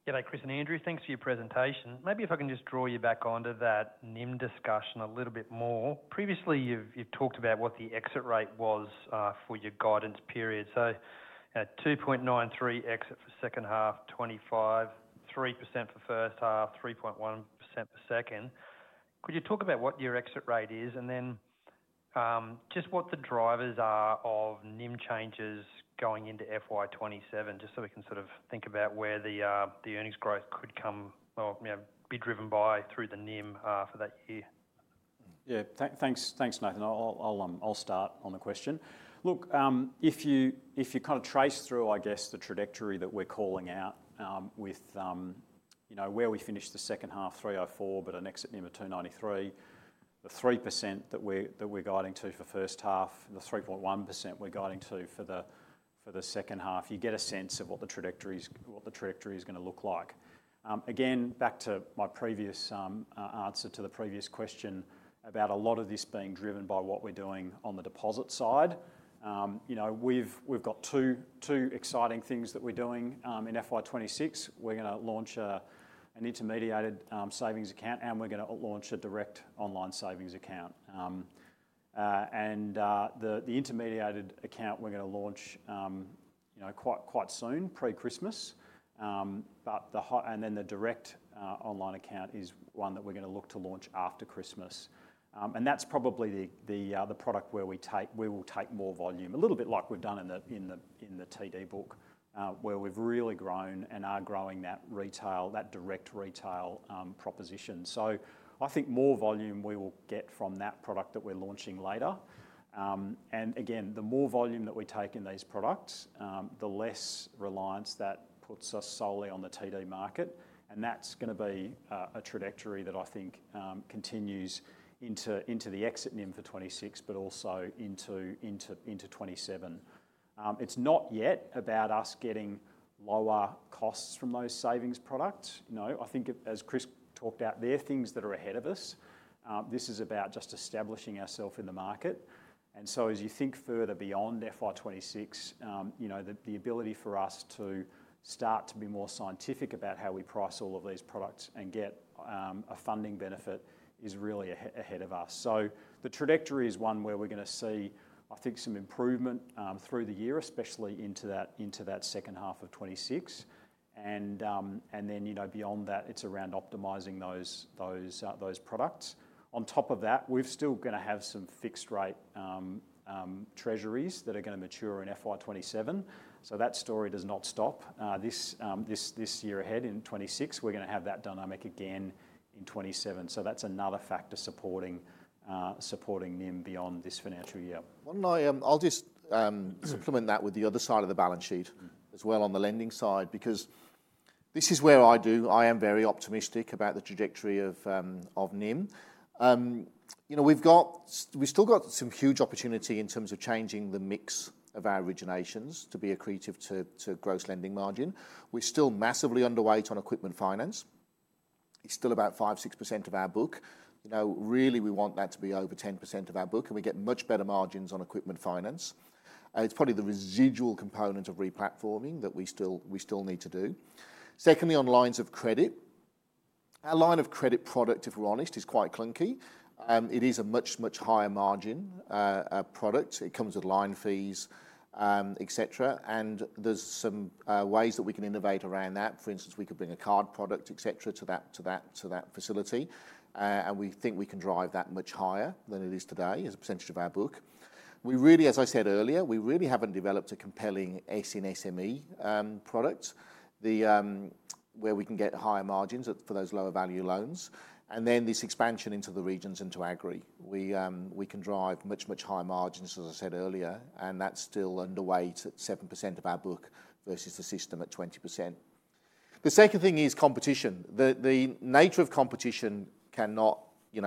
G'day, Chris and Andrew. Thanks for your presentation. Maybe if I can just draw you back onto that NIM discussion a little bit more. Previously, you've talked about what the exit rate was for your guidance period. At 2.93% exit for second half 2025, 3% for first half, 3.1% for second. Could you talk about what your exit rate is and then just what the drivers are of NIM changes going into FY27, just so we can sort of think about where the earnings growth could come, you know, be driven by through the NIM for that year? Yeah, thanks, thanks Nathan. I'll start on the question. Look, if you kind of trace through, I guess, the trajectory that we're calling out with where we finished the second half 304, but an exit NIM of 2.93%, the 3% that we're guiding to for first half, the 3.1% we're guiding to for the second half, you get a sense of what the trajectory is going to look like. Again, back to my previous answer to the previous question about a lot of this being driven by what we're doing on the deposit side. We've got two exciting things that we're doing in FY26. We're going to launch an intermediated savings account, and we're going to launch a direct online savings account. The intermediated account we're going to launch quite soon, pre-Christmas. The direct online account is one that we're going to look to launch after Christmas. That's probably the product where we will take more volume, a little bit like we've done in the TD book, where we've really grown and are growing that direct retail proposition. I think more volume we will get from that product that we're launching later. The more volume that we take in these products, the less reliance that puts us solely on the TD market. That's going to be a trajectory that I think continues into the exit NIM for 2026, but also into 2027. It's not yet about us getting lower costs from those savings products. No, I think, as Chris talked out there, things that are ahead of us. This is about just establishing ourselves in the market. As you think further beyond FY26, the ability for us to start to be more scientific about how we price all of these products and get a funding benefit is really ahead of us. The trajectory is one where we're going to see, I think, some improvement through the year, especially into that second half of 2026. Beyond that, it's around optimizing those products. On top of that, we're still going to have some fixed-rate treasuries that are going to mature in FY27. That story does not stop. This year ahead in 2026, we're going to have that dynamic again in 2027. That's another factor supporting NIM beyond this financial year. I'll just supplement that with the other side of the balance sheet as well on the lending side, because this is where I do, I am very optimistic about the trajectory of NIM. We've still got some huge opportunity in terms of changing the mix of our originations to be accretive to gross lending margin. We're still massively underweight on equipment finance. It's still about 5-6% of our book. Really, we want that to be over 10% of our book, and we get much better margins on equipment finance. It's probably the residual component of replatforming that we still need to do. Secondly, on lines of credit, our line of credit product, if we're honest, is quite clunky. It is a much, much higher margin product. It comes with line fees, etc. There are some ways that we can innovate around that. For instance, we could bring a card product, etc., to that facility. We think we can drive that much higher than it is today as a percentage of our book. As I said earlier, we really haven't developed a compelling S in SME product where we can get higher margins for those lower value loans. This expansion into the regions into Agri can drive much, much higher margins, as I said earlier. That's still underweight at 7% of our book versus the system at 20%. The second thing is competition. The nature of competition cannot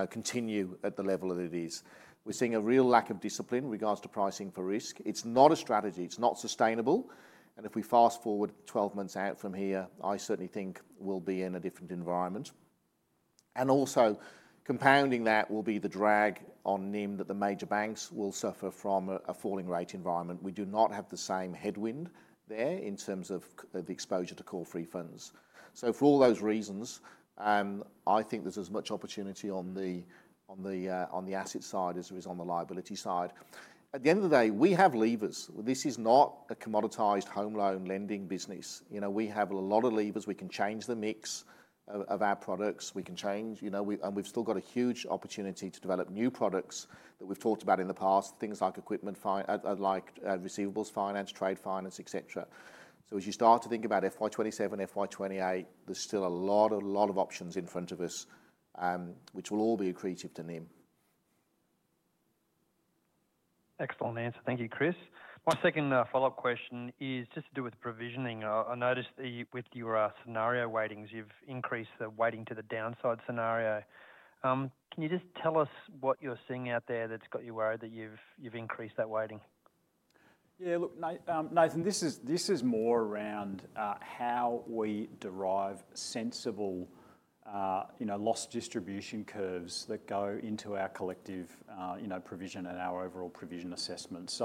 continue at the level that it is. We're seeing a real lack of discipline in regards to pricing for risk. It's not a strategy. It's not sustainable. If we fast forward 12 months out from here, I certainly think we'll be in a different environment. Also, compounding that will be the drag on NIM that the major banks will suffer from a falling rate environment. We do not have the same headwind there in terms of the exposure to call-free funds. For all those reasons, I think there's as much opportunity on the asset side as there is on the liability side. At the end of the day, we have levers. This is not a commoditized home loan lending business. We have a lot of levers. We can change the mix of our products. We've still got a huge opportunity to develop new products that we've talked about in the past, things like equipment, like receivables finance, trade finance, etc. As you start to think about FY2027, FY2028, there's still a lot, a lot of options in front of us, which will all be accretive to NIM. Excellent answer. Thank you, Chris. My second follow-up question is just to do with provisioning. I noticed that with your scenario weightings, you've increased the weighting to the downside scenario. Can you just tell us what you're seeing out there that's got you worried that you've increased that weighting? Yeah, look, Nathan, this is more around how we derive sensible loss distribution curves that go into our collective provision and our overall provision assessment.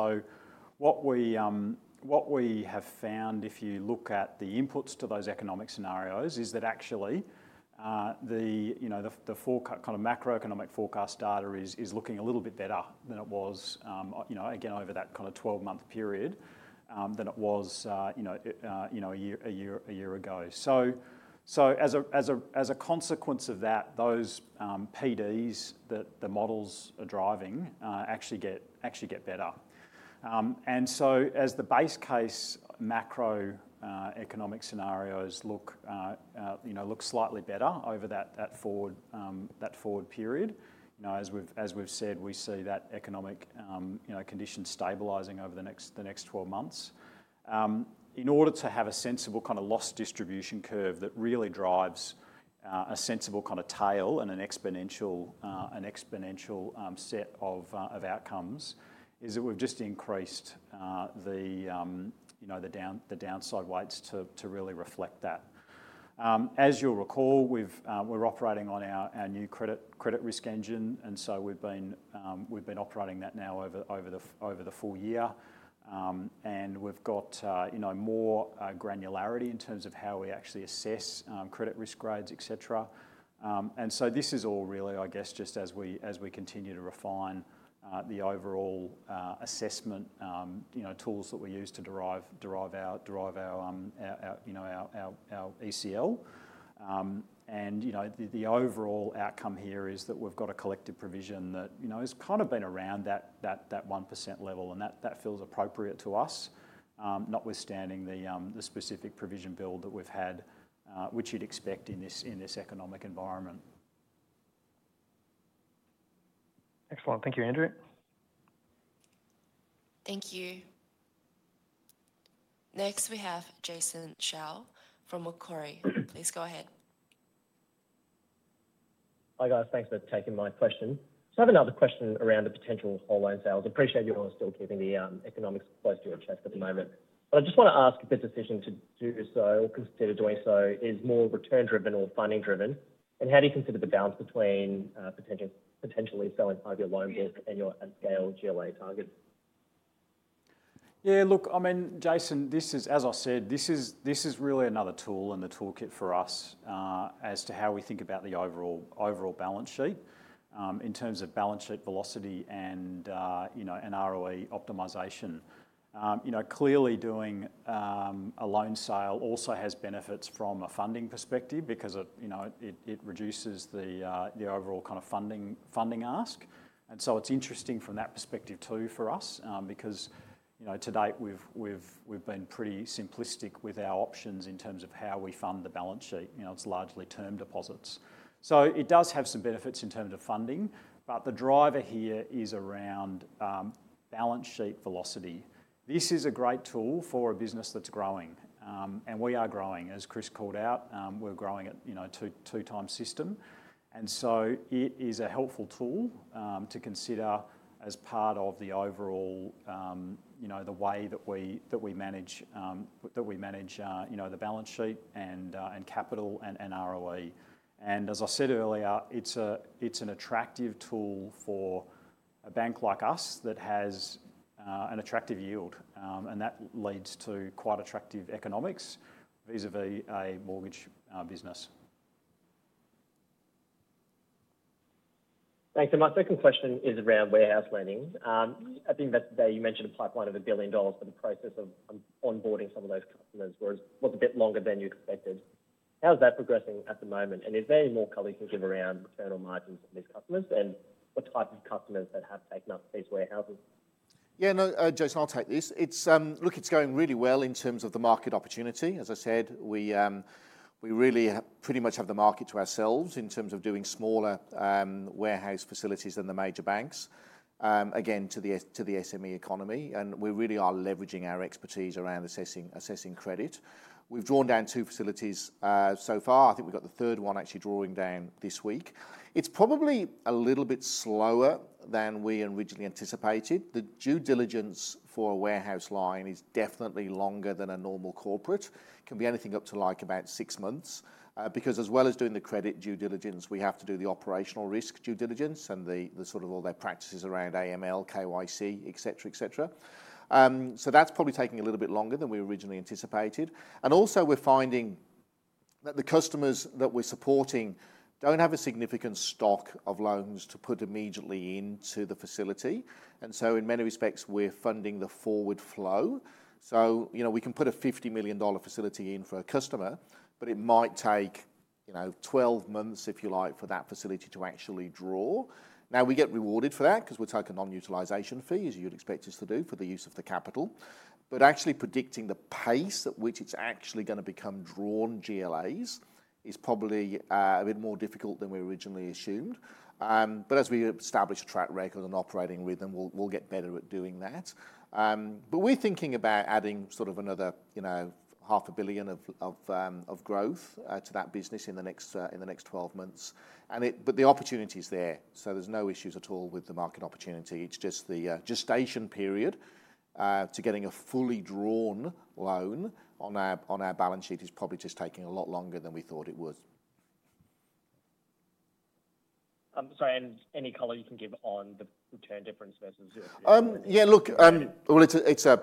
What we have found, if you look at the inputs to those economic scenarios, is that actually the kind of macroeconomic forecast data is looking a little bit better than it was over that kind of 12-month period than it was a year ago. As a consequence of that, those PDs that the models are driving actually get better. As the base case macroeconomic scenarios look slightly better over that forward period, as we've said, we see that economic condition stabilizing over the next 12 months. In order to have a sensible kind of loss distribution curve that really drives a sensible kind of tail and an exponential set of outcomes, we've just increased the downside weights to really reflect that. As you'll recall, we're operating on our new credit risk engine. We've been operating that now over the full year. We've got more granularity in terms of how we actually assess credit risk grades, etc. This is all really, I guess, just as we continue to refine the overall assessment tools that we use to derive our ECL. The overall outcome here is that we've got a collective provision that has kind of been around that 1% level. That feels appropriate to us, notwithstanding the specific provision build that we've had, which you'd expect in this economic environment. Excellent. Thank you, Andrew. Thank you. Next, we have Jason Shao from Macquarie. Please go ahead. Hi guys, thanks for taking my question. I just have another question around the potential online sales. I appreciate you're still keeping the economics close to your chest at the moment. I just want to ask if the decision to do so or consider doing so is more return-driven or funding-driven? How do you consider the balance between potentially selling part of your loan book and your at-scale GLA targets? Yeah, look, I mean, Jason, this is, as I said, this is really another tool in the toolkit for us as to how we think about the overall balance sheet in terms of balance sheet velocity and, you know, an ROE optimization. Clearly, doing a loan sale also has benefits from a funding perspective because it reduces the overall kind of funding ask. It's interesting from that perspective too for us because, to date, we've been pretty simplistic with our options in terms of how we fund the balance sheet. It's largely term deposits. It does have some benefits in terms of funding, but the driver here is around balance sheet velocity. This is a great tool for a business that's growing. We are growing, as Chris called out, we're growing at a two-time system. It is a helpful tool to consider as part of the overall way that we manage the balance sheet and capital and ROE. As I said earlier, it's an attractive tool for a bank like us that has an attractive yield. That leads to quite attractive economics vis-à-vis a mortgage business. Thanks. My second question is around warehouse lending. I think that today you mentioned a pipeline of $1 billion for the process of onboarding some of those customers, whereas it was a bit longer than you expected. How is that progressing at the moment? Is there any more color you can give around return on margins on these customers? What type of customers have taken up these warehouses? Yeah, no, Jason, I'll take this. Look, it's going really well in terms of the market opportunity. As I said, we really pretty much have the market to ourselves in terms of doing smaller warehouse facilities than the major banks, again, to the SME economy. We really are leveraging our expertise around assessing credit. We've drawn down two facilities so far. I think we've got the third one actually drawing down this week. It's probably a little bit slower than we originally anticipated. The due diligence for a warehouse line is definitely longer than a normal corporate. It can be anything up to about six months because as well as doing the credit due diligence, we have to do the operational risk due diligence and all their practices around AML, KYC, etc., etc. That's probably taking a little bit longer than we originally anticipated. We're finding that the customers that we're supporting don't have a significant stock of loans to put immediately into the facility. In many respects, we're funding the forward flow. We can put a $50 million facility in for a customer, but it might take 12 months, if you like, for that facility to actually draw. We get rewarded for that because we're taking on utilization fees, as you'd expect us to do for the use of the capital. Actually predicting the pace at which it's actually going to become drawn GLAs is probably a bit more difficult than we originally assumed. As we establish a track record and operating rhythm, we'll get better at doing that. We're thinking about adding another half a billion of growth to that business in the next 12 months. The opportunity is there. There's no issues at all with the market opportunity. It's just the gestation period to getting a fully drawn loan on our balance sheet is probably just taking a lot longer than we thought it was. I'm sorry, any color you can give on the return difference versus zero? Yeah, look, it's a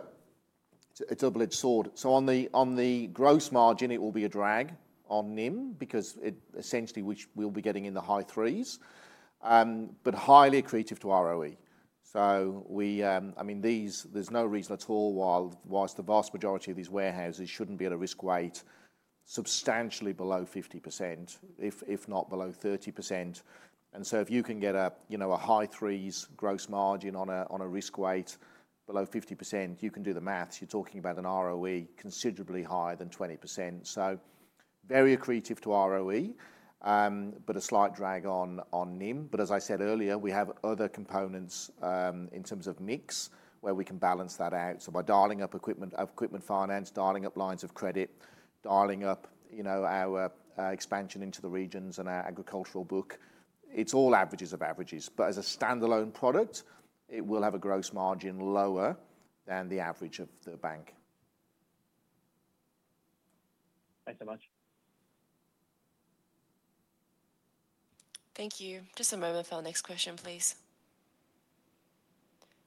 double-edged sword. On the gross margin, it will be a drag on NIM because essentially we'll be getting in the high threes, but highly accretive to ROE. There's no reason at all why the vast majority of these warehouses shouldn't be at a risk weight substantially below 50%, if not below 30%. If you can get a high threes gross margin on a risk weight below 50%, you can do the maths. You're talking about an ROE considerably higher than 20%. Very accretive to ROE, but a slight drag on NIM. As I said earlier, we have other components in terms of mix where we can balance that out. By dialing up equipment finance, dialing up lines of credit, dialing up our expansion into the regions and our agricultural book, it's all averages of averages. As a standalone product, it will have a gross margin lower than the average of the bank. Thanks so much. Thank you. Just a moment for the next question, please.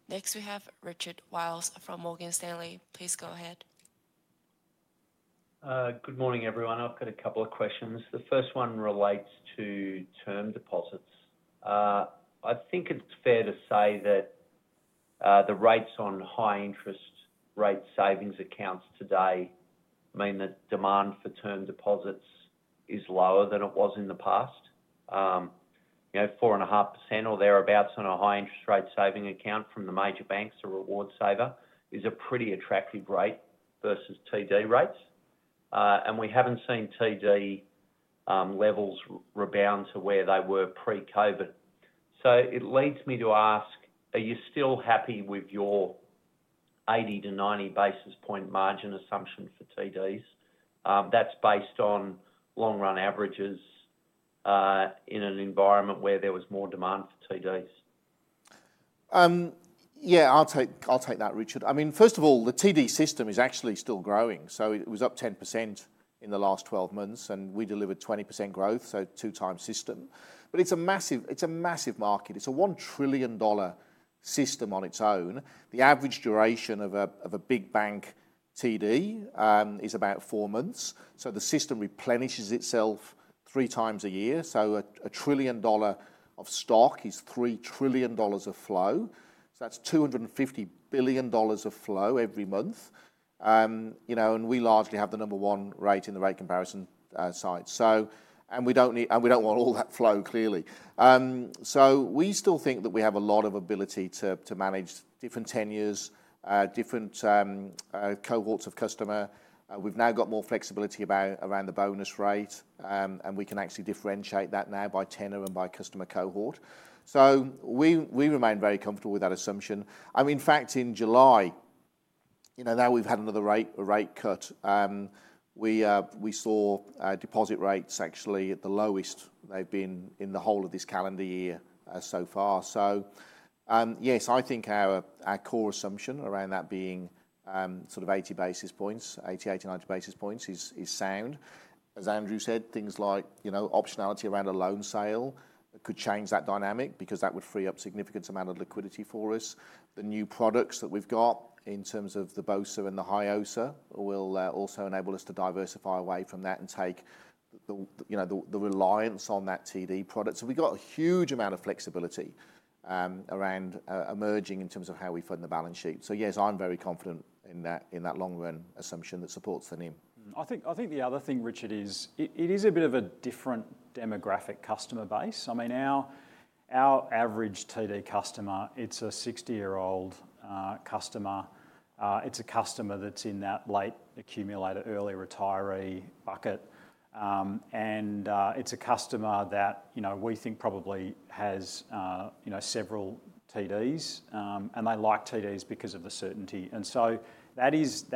Next, we have Richard Wiles from Morgan Stanley. Please go ahead. Good morning, everyone. I've got a couple of questions. The first one relates to term deposits. I think it's fair to say that the rates on high interest online savings accounts today mean that demand for term deposits is lower than it was in the past. You know, 4.5% or thereabouts on a high interest online savings account from the major banks, a reward saver, is a pretty attractive rate versus TD rates. We haven't seen TD levels rebound to where they were pre-COVID. It leads me to ask, are you still happy with your 80 to 90 basis point margin assumption for TDs? That's based on long-run averages in an environment where there was more demand for TDs. Yeah, I'll take that, Richard. First of all, the term deposits system is actually still growing. It was up 10% in the last 12 months, and we delivered 20% growth, so two times system. It's a massive market. It's a $1 trillion system on its own. The average duration of a big bank term deposit is about four months. The system replenishes itself three times a year. A $1 trillion stock is $3 trillion of flow. That's $250 billion of flow every month. We largely have the number one rate in the rate comparison side, and we don't need, and we don't want all that flow clearly. We still think that we have a lot of ability to manage different tenures, different cohorts of customer. We've now got more flexibility around the bonus rate, and we can actually differentiate that now by tenure and by customer cohort. We remain very comfortable with that assumption. In fact, in July, we've had another rate cut. We saw deposit rates actually at the lowest they've been in the whole of this calendar year so far. I think our core assumption around that being sort of 80 basis points, 88, 90 basis points is sound. As Andrew said, things like optionality around a loan sale could change that dynamic because that would free up a significant amount of liquidity for us. The new products that we've got in terms of the business online savings account and the high interest online savings account will also enable us to diversify away from that and take the reliance on that term deposit product. We've got a huge amount of flexibility around emerging in terms of how we fund the balance sheet. Yes, I'm very confident in that long-run assumption that supports the new. I think the other thing, Richard, is it is a bit of a different demographic customer base. I mean, our average TD customer, it's a 60-year-old customer. It's a customer that's in that late accumulator, early retiree bucket. It's a customer that, you know, we think probably has, you know, several TDs. They like TDs because of the certainty. That is,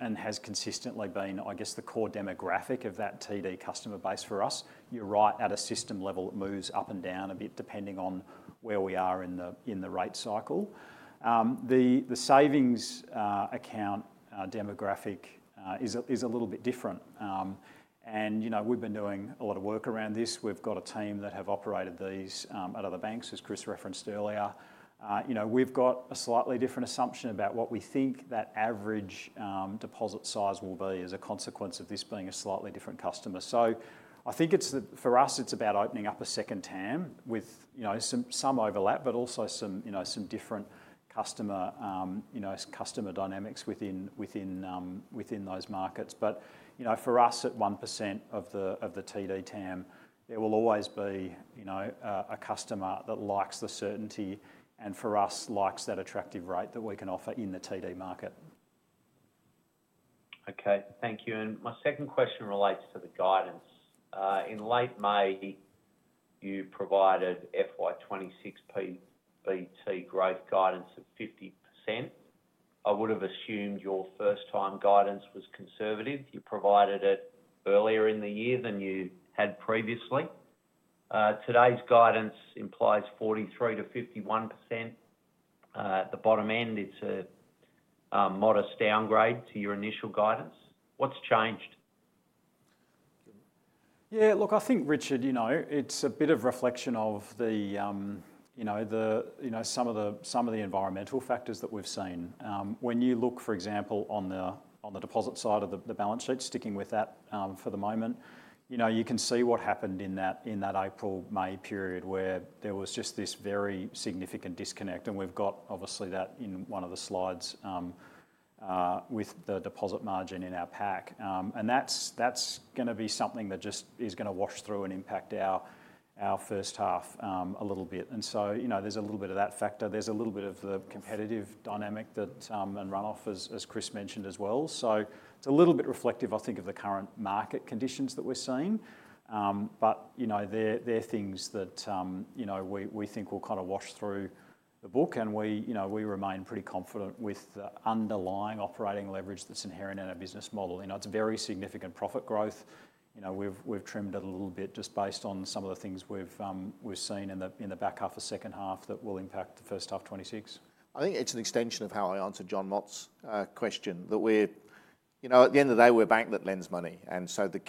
and has consistently been, I guess, the core demographic of that TD customer base for us. You're right, at a system level, it moves up and down a bit depending on where we are in the rate cycle. The savings account demographic is a little bit different. You know, we've been doing a lot of work around this. We've got a team that have operated these at other banks, as Chris referenced earlier. You know, we've got a slightly different assumption about what we think that average deposit size will be as a consequence of this being a slightly different customer. I think it's, for us, about opening up a second TAM with, you know, some overlap, but also some different customer dynamics within those markets. For us, at 1% of the TD TAM, there will always be a customer that likes the certainty and, for us, likes that attractive rate that we can offer in the TD market. Okay, thank you. My second question relates to the guidance. In late May, you provided FY26 PBT growth guidance of 50%. I would have assumed your first-time guidance was conservative. You provided it earlier in the year than you had previously. Today's guidance implies 43% to 51%. At the bottom end, it's a modest downgrade to your initial guidance. What's changed? Yeah, look, I think, Richard, it's a bit of reflection of the, you know, some of the environmental factors that we've seen. When you look, for example, on the deposit side of the balance sheet, sticking with that for the moment, you can see what happened in that April-May period where there was just this very significant disconnect. We've got that in one of the slides, with the deposit margin in our pack. That's going to be something that is going to wash through and impact our first half a little bit. There's a little bit of that factor. There's a little bit of the competitive dynamic and runoff, as Chris mentioned as well. It's a little bit reflective, I think, of the current market conditions that we're seeing. There are things that we think will kind of wash through the book. We remain pretty confident with the underlying operating leverage that's inherent in a business model. It's very significant profit growth. We've trimmed it a little bit just based on some of the things we've seen in the back half of the second half that will impact the first half of 2026. I think it's an extension of how I answered John Lott's question that we're, you know, at the end of the day, we're a bank that lends money. The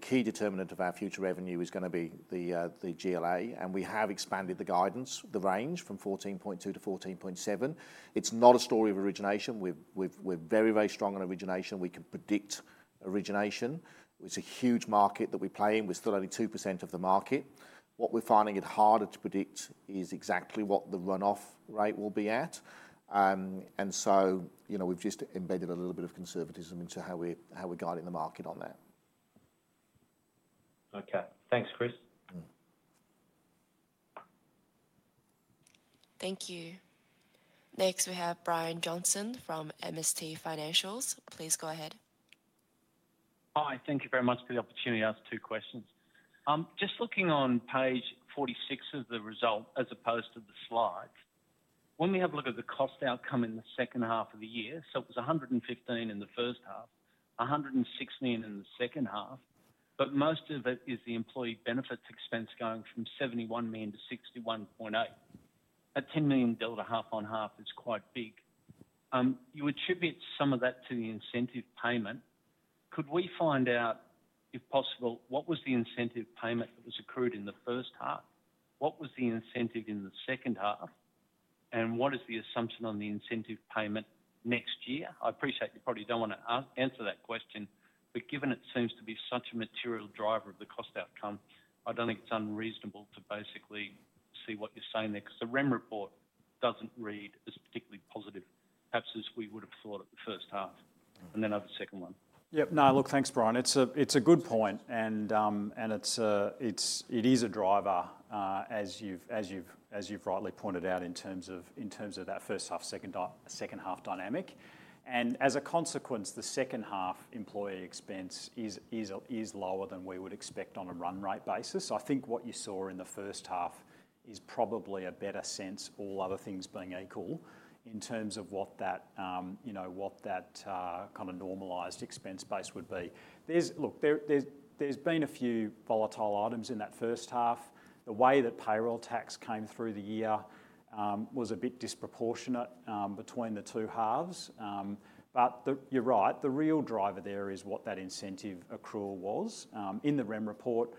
key determinant of our future revenue is going to be the GLA. We have expanded the guidance, the range from $14.2-$14.7 billion. It's not a story of origination. We're very, very strong on origination. We can predict origination. It's a huge market that we play in. We're still only 2% of the market. What we're finding it harder to predict is exactly what the runoff rate will be at, and so we've just embedded a little bit of conservatism into how we're guiding the market on that. Okay, thanks, Chris. Thank you. Next, we have Brian Johnson from MST Financial. Please go ahead. Hi, thank you very much for the opportunity to ask two questions. Just looking on page 46 of the result as opposed to the slides, when we have a look at the cost outcome in the second half of the year, it was $115 million in the first half, $116 million in the second half, but most of it is the employee benefits expense going from $71 to $61.8 million. A $10 million delta half on half is quite big. You attribute some of that to the incentive payment. Could we find out, if possible, what was the incentive payment that was accrued in the first half? What was the incentive in the second half? What is the assumption on the incentive payment next year? I appreciate you probably don't want to answer that question, but given it seems to be such a material driver of the cost outcome, I don't think it's unreasonable to basically see what you're saying there because the REM report doesn't read as particularly positive, perhaps as we would have thought at the first half and then over the second one. Yeah, no, look, thanks Brian. It's a good point. It is a driver, as you've rightly pointed out in terms of that first half, second half dynamic. As a consequence, the second half employee expense is lower than we would expect on a run rate basis. I think what you saw in the first half is probably a better sense, all other things being equal, in terms of what that, you know, kind of normalized expense base would be. There's been a few volatile items in that first half. The way that payroll tax came through the year was a bit disproportionate between the two halves. You're right, the real driver there is what that incentive accrual was. In the REM report,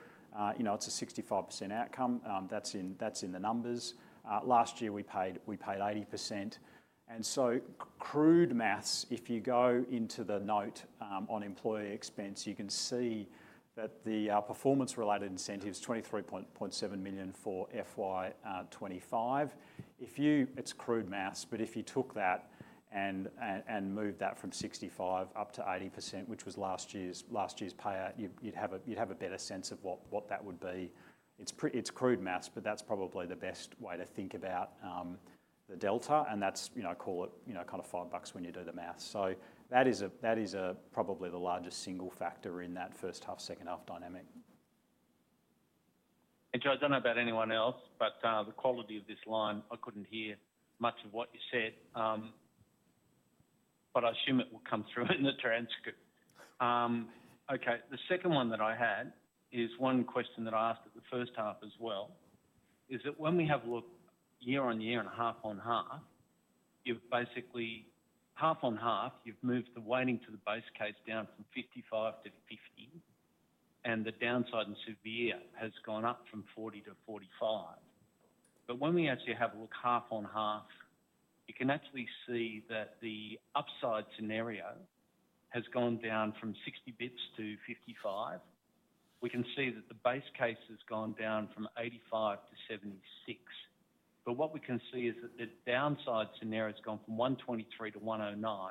it's a 65% outcome. That's in the numbers. Last year we paid 80%. Crude maths, if you go into the note on employee expense, you can see that the performance-related incentives, $23.7 million for FY25. It's crude maths, but if you took that and moved that from 65% up to 80%, which was last year's payout, you'd have a better sense of what that would be. It's crude maths, but that's probably the best way to think about the delta. I call it kind of five bucks when you do the maths. That is probably the largest single factor in that first half, second half dynamic. John, I don't know about anyone else, but the quality of this line, I couldn't hear much of what you said. I assume it will come through in the transcript. The second one that I had is one question that I asked at the first half as well. When we have a look year on year and half on half, you've basically, half on half, moved the weighting to the base case down from 55% to 50%, and the downside and severe has gone up from 40% to 45%. When we actually have a look half on half, you can see that the upside scenario has gone down from 60 bps to 55 bps. We can see that the base case has gone down from 85 bps to 76 bps. What we can see is that the downside scenario has gone from 123 bps to 109 bps,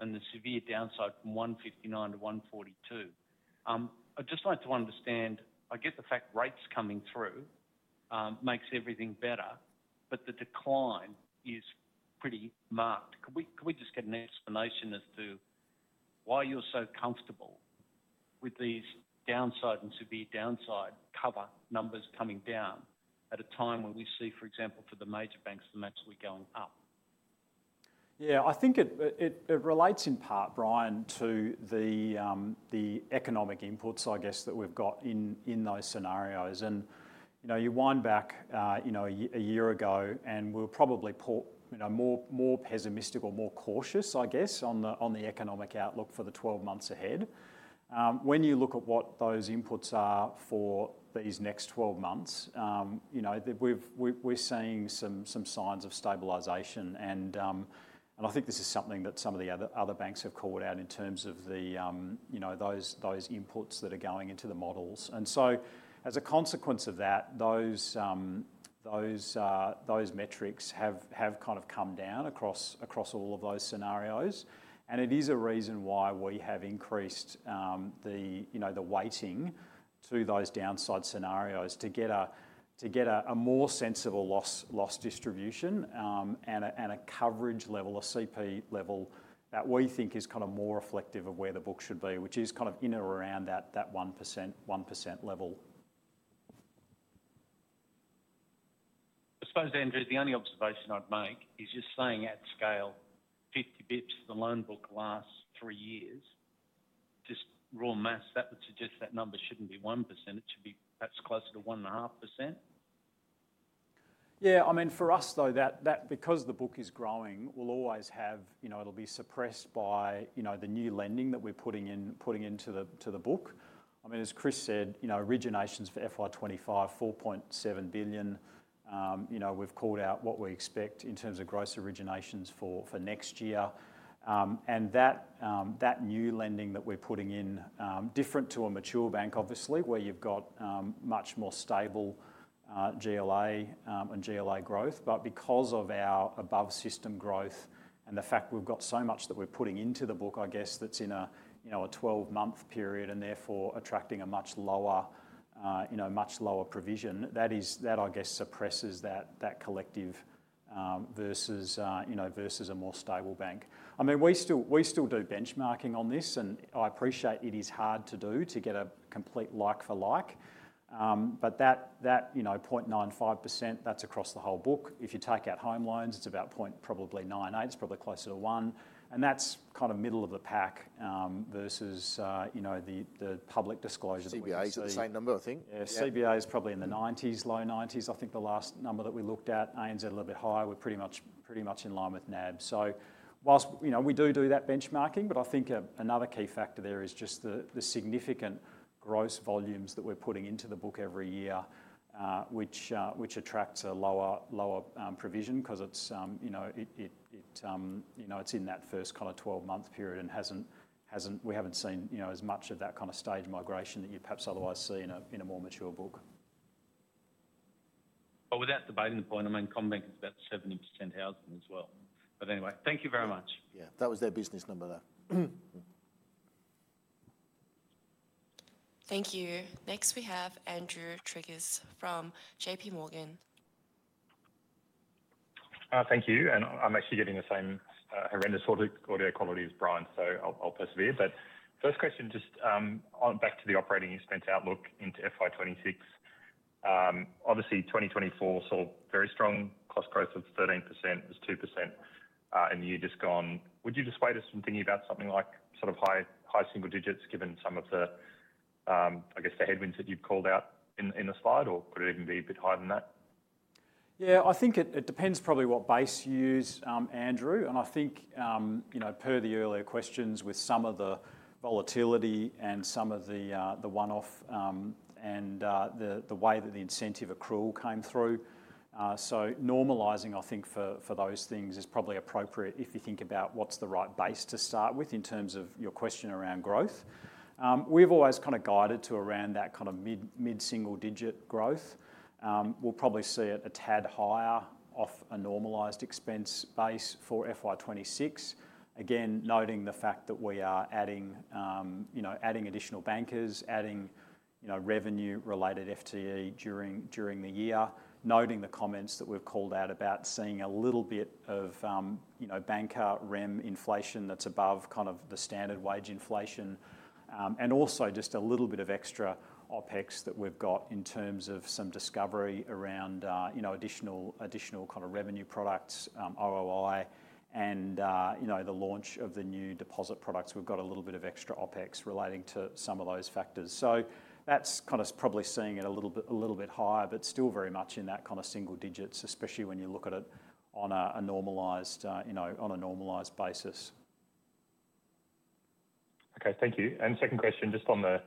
and the severe downside from 159 bps to 142 bps. I'd just like to understand, I guess the fact rates coming through makes everything better, but the decline is pretty marked. Could we just get an explanation as to why you're so comfortable with these downside and severe downside cover numbers coming down at a time when we see, for example, for the major banks, they're naturally going up? I think it relates in part, Brian, to the economic inputs, I guess, that we've got in those scenarios. You wind back a year ago, and we probably put more pessimistic or more cautious, I guess, on the economic outlook for the 12 months ahead. When you look at what those inputs are for these next 12 months, we're seeing some signs of stabilization. I think this is something that some of the other banks have called out in terms of those inputs that are going into the models. As a consequence of that, those metrics have kind of come down across all of those scenarios. It is a reason why we have increased the weighting to those downside scenarios to get a more sensible loss distribution and a coverage level, a CP level that we think is kind of more reflective of where the book should be, which is kind of in or around that 1% level. I suppose, Andrew, the only observation I'd make is you're saying at scale 50 bps, the loan book lasts three years. Just raw maths, that would suggest that number shouldn't be 1%. It should be perhaps closer to 1.5%. Yeah, I mean, for us though, because the book is growing, we'll always have, you know, it'll be suppressed by the new lending that we're putting in, putting into the book. I mean, as Chris said, you know, originations for FY25, $4.7 billion. You know, we've called out what we expect in terms of gross originations for next year, and that new lending that we're putting in, different to a mature bank, obviously, where you've got much more stable GLA and GLA growth. Because of our above system growth and the fact we've got so much that we're putting into the book, I guess that's in a 12-month period and therefore attracting a much lower, you know, much lower provision, that is, that I guess suppresses that collective, versus a more stable bank. I mean, we still do benchmarking on this, and I appreciate it is hard to do to get a complete like for like, but that 0.95%, that's across the whole book. If you take out home loans, it's about 0.98%, it's probably closer to 1%. And that's kind of middle of the pack, versus the public disclosure. CBA is the same number, I think. Yeah, CBA is probably in the nineties, low nineties, I think the last number that we looked at, ANZ a little bit higher, we're pretty much in line with NAB. Whilst we do do that benchmarking, I think another key factor there is just the significant gross volumes that we're putting into the book every year, which attracts a lower provision because it's in that first kind of 12 months period and we haven't seen as much of that kind of stage migration that you perhaps otherwise see in a more mature book. Without debating the point, I mean, Commbank is about 70% housing as well. Anyway, thank you very much. Yeah, that was their business number there. Thank you. Next, we have Andrew Triggs from J.P. Morgan. Thank you. I'm actually getting the same horrendous audio quality as Brian, so I'll persevere. First question, just back to the operating expense outlook into FY2026. Obviously, 2024 saw very strong cost growth of 13%, it was 2% in the year just gone. Would you just weigh this from thinking about something like sort of high single digits given some of the headwinds that you've called out in the slide, or could it even be a bit higher than that? Yeah, I think it depends probably what base you use, Andrew. I think, per the earlier questions with some of the volatility and some of the one-off, and the way that the incentive accrual came through, normalizing for those things is probably appropriate if you think about what's the right base to start with in terms of your question around growth. We've always kind of guided to around that kind of mid, mid single digit growth. We'll probably see it a tad higher off a normalized expense base for FY2026. Again, noting the fact that we are adding additional bankers, adding revenue related FTE during the year, noting the comments that we've called out about seeing a little bit of banker REM inflation that's above kind of the standard wage inflation, and also just a little bit of extra OpEx that we've got in terms of some discovery around additional kind of revenue products, ROI, and the launch of the new deposit products. We've got a little bit of extra OpEx relating to some of those factors. That's kind of probably seeing it a little bit higher, but still very much in that kind of single digits, especially when you look at it on a normalized basis. Okay, thank you. Second question, just on the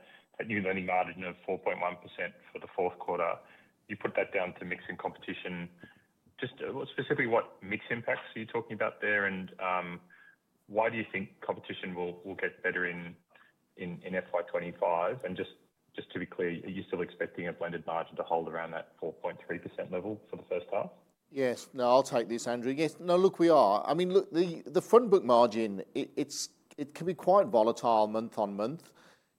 new lending margin of 4.1% for the fourth quarter, you put that down to mix and competition. Just specifically, what mix impacts are you talking about there? Why do you think competition will get better in FY25? Just to be clear, are you still expecting a blended margin to hold around that 4.3% level for the first half? Yes, I'll take this, Andrew. Yes, look, we are. I mean, the front book margin, it can be quite volatile month on month,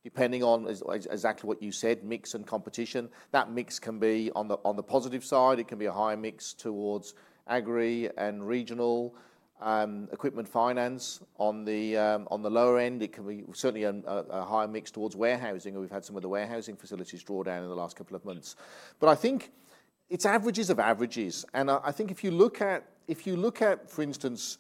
depending on exactly what you said, mix and competition. That mix can be on the positive side. It can be a higher mix towards agri and regional, equipment finance. On the lower end, it can be certainly a higher mix towards warehousing, or we've had some of the warehousing facilities draw down in the last couple of months. I think it's averages of averages. I think if you look at, for instance,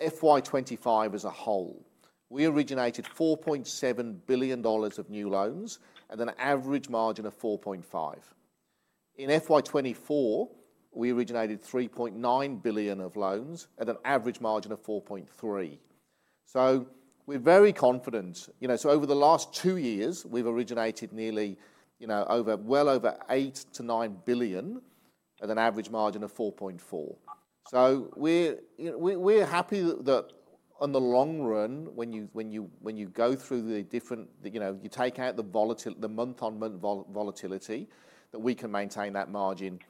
FY25 as a whole, we originated $4.7 billion of new loans at an average margin of 4.5%. In FY24, we originated $3.9 billion of loans at an average margin of 4.3%. We're very confident, you know, over the last two years, we've originated well over $8 to $9 billion at an average margin of 4.4%. We're happy that in the long run, when you go through the different, you know, you take out the month-on-month volatility, we can maintain that margin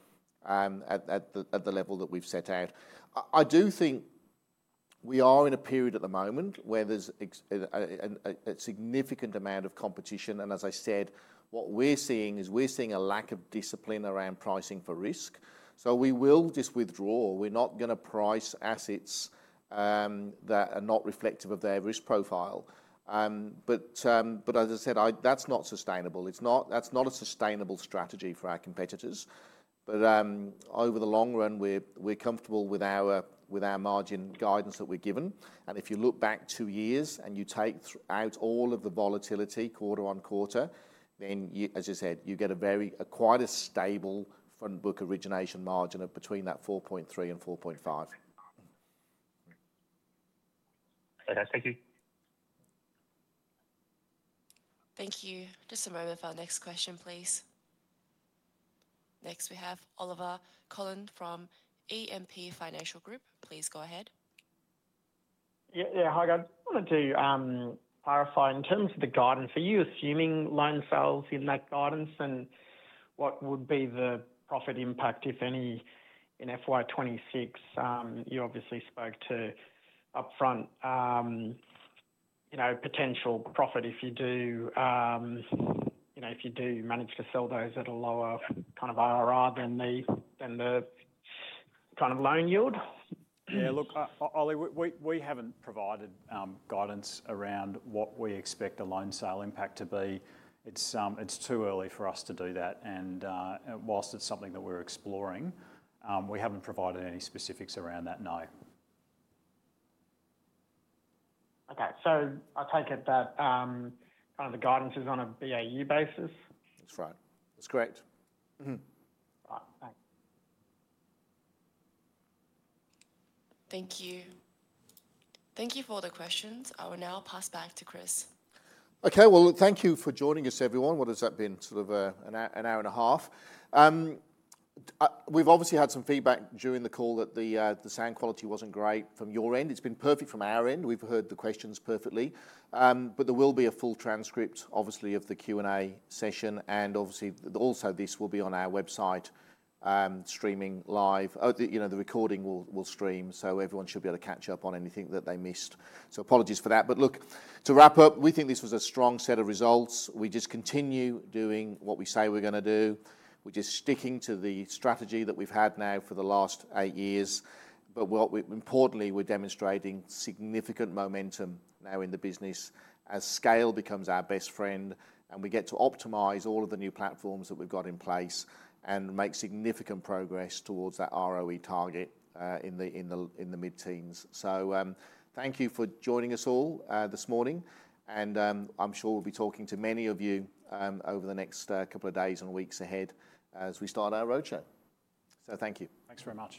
at the level that we've set out. I do think we are in a period at the moment where there's a significant amount of competition. As I said, what we're seeing is a lack of discipline around pricing for risk. We will just withdraw. We're not going to price assets that are not reflective of their risk profile. As I said, that's not sustainable. That's not a sustainable strategy for our competitors. Over the long run, we're comfortable with our margin guidance that we've given. If you look back two years and you take out all of the volatility quarter on quarter, then you, as you said, get a very stable front book origination margin of between that 4.3% and 4.5%. Thank you. Thank you. Just a moment for our next question, please. Next, we have Olivier Coulon from E&P Financial Group. Please go ahead. Yeah, hi guys. I wanted to clarify in terms of the guidance. Are you assuming loan sales in that guidance, and what would be the profit impact, if any, in FY26? You obviously spoke to upfront, you know, potential profit if you do, you know, if you do manage to sell those at a lower kind of IRR than the kind of loan yield. Yeah, look, Ollie, we haven't provided guidance around what we expect a loan sale impact to be. It's too early for us to do that. Whilst it's something that we're exploring, we haven't provided any specifics around that, no. Okay, so I take it that kind of the guidance is on a BAU basis. That's right. That's correct. All right, thanks. Thank you. Thank you for all the questions. I will now pass back to Chris. Okay, thank you for joining us, everyone. What has that been, sort of an hour and a half? We've obviously had some feedback during the call that the sound quality wasn't great from your end. It's been perfect from our end. We've heard the questions perfectly. There will be a full transcript, obviously, of the Q&A session. Also, this will be on our website, streaming live. You know, the recording will stream, so everyone should be able to catch up on anything that they missed. Apologies for that. To wrap up, we think this was a strong set of results. We just continue doing what we say we're going to do. We're just sticking to the strategy that we've had now for the last eight years. Importantly, we're demonstrating significant momentum now in the business as scale becomes our best friend. We get to optimize all of the new platforms that we've got in place and make significant progress towards that ROE target in the mid-teens. Thank you for joining us all this morning. I'm sure we'll be talking to many of you over the next couple of days and weeks ahead as we start our roadshow. Thank you. Thanks very much.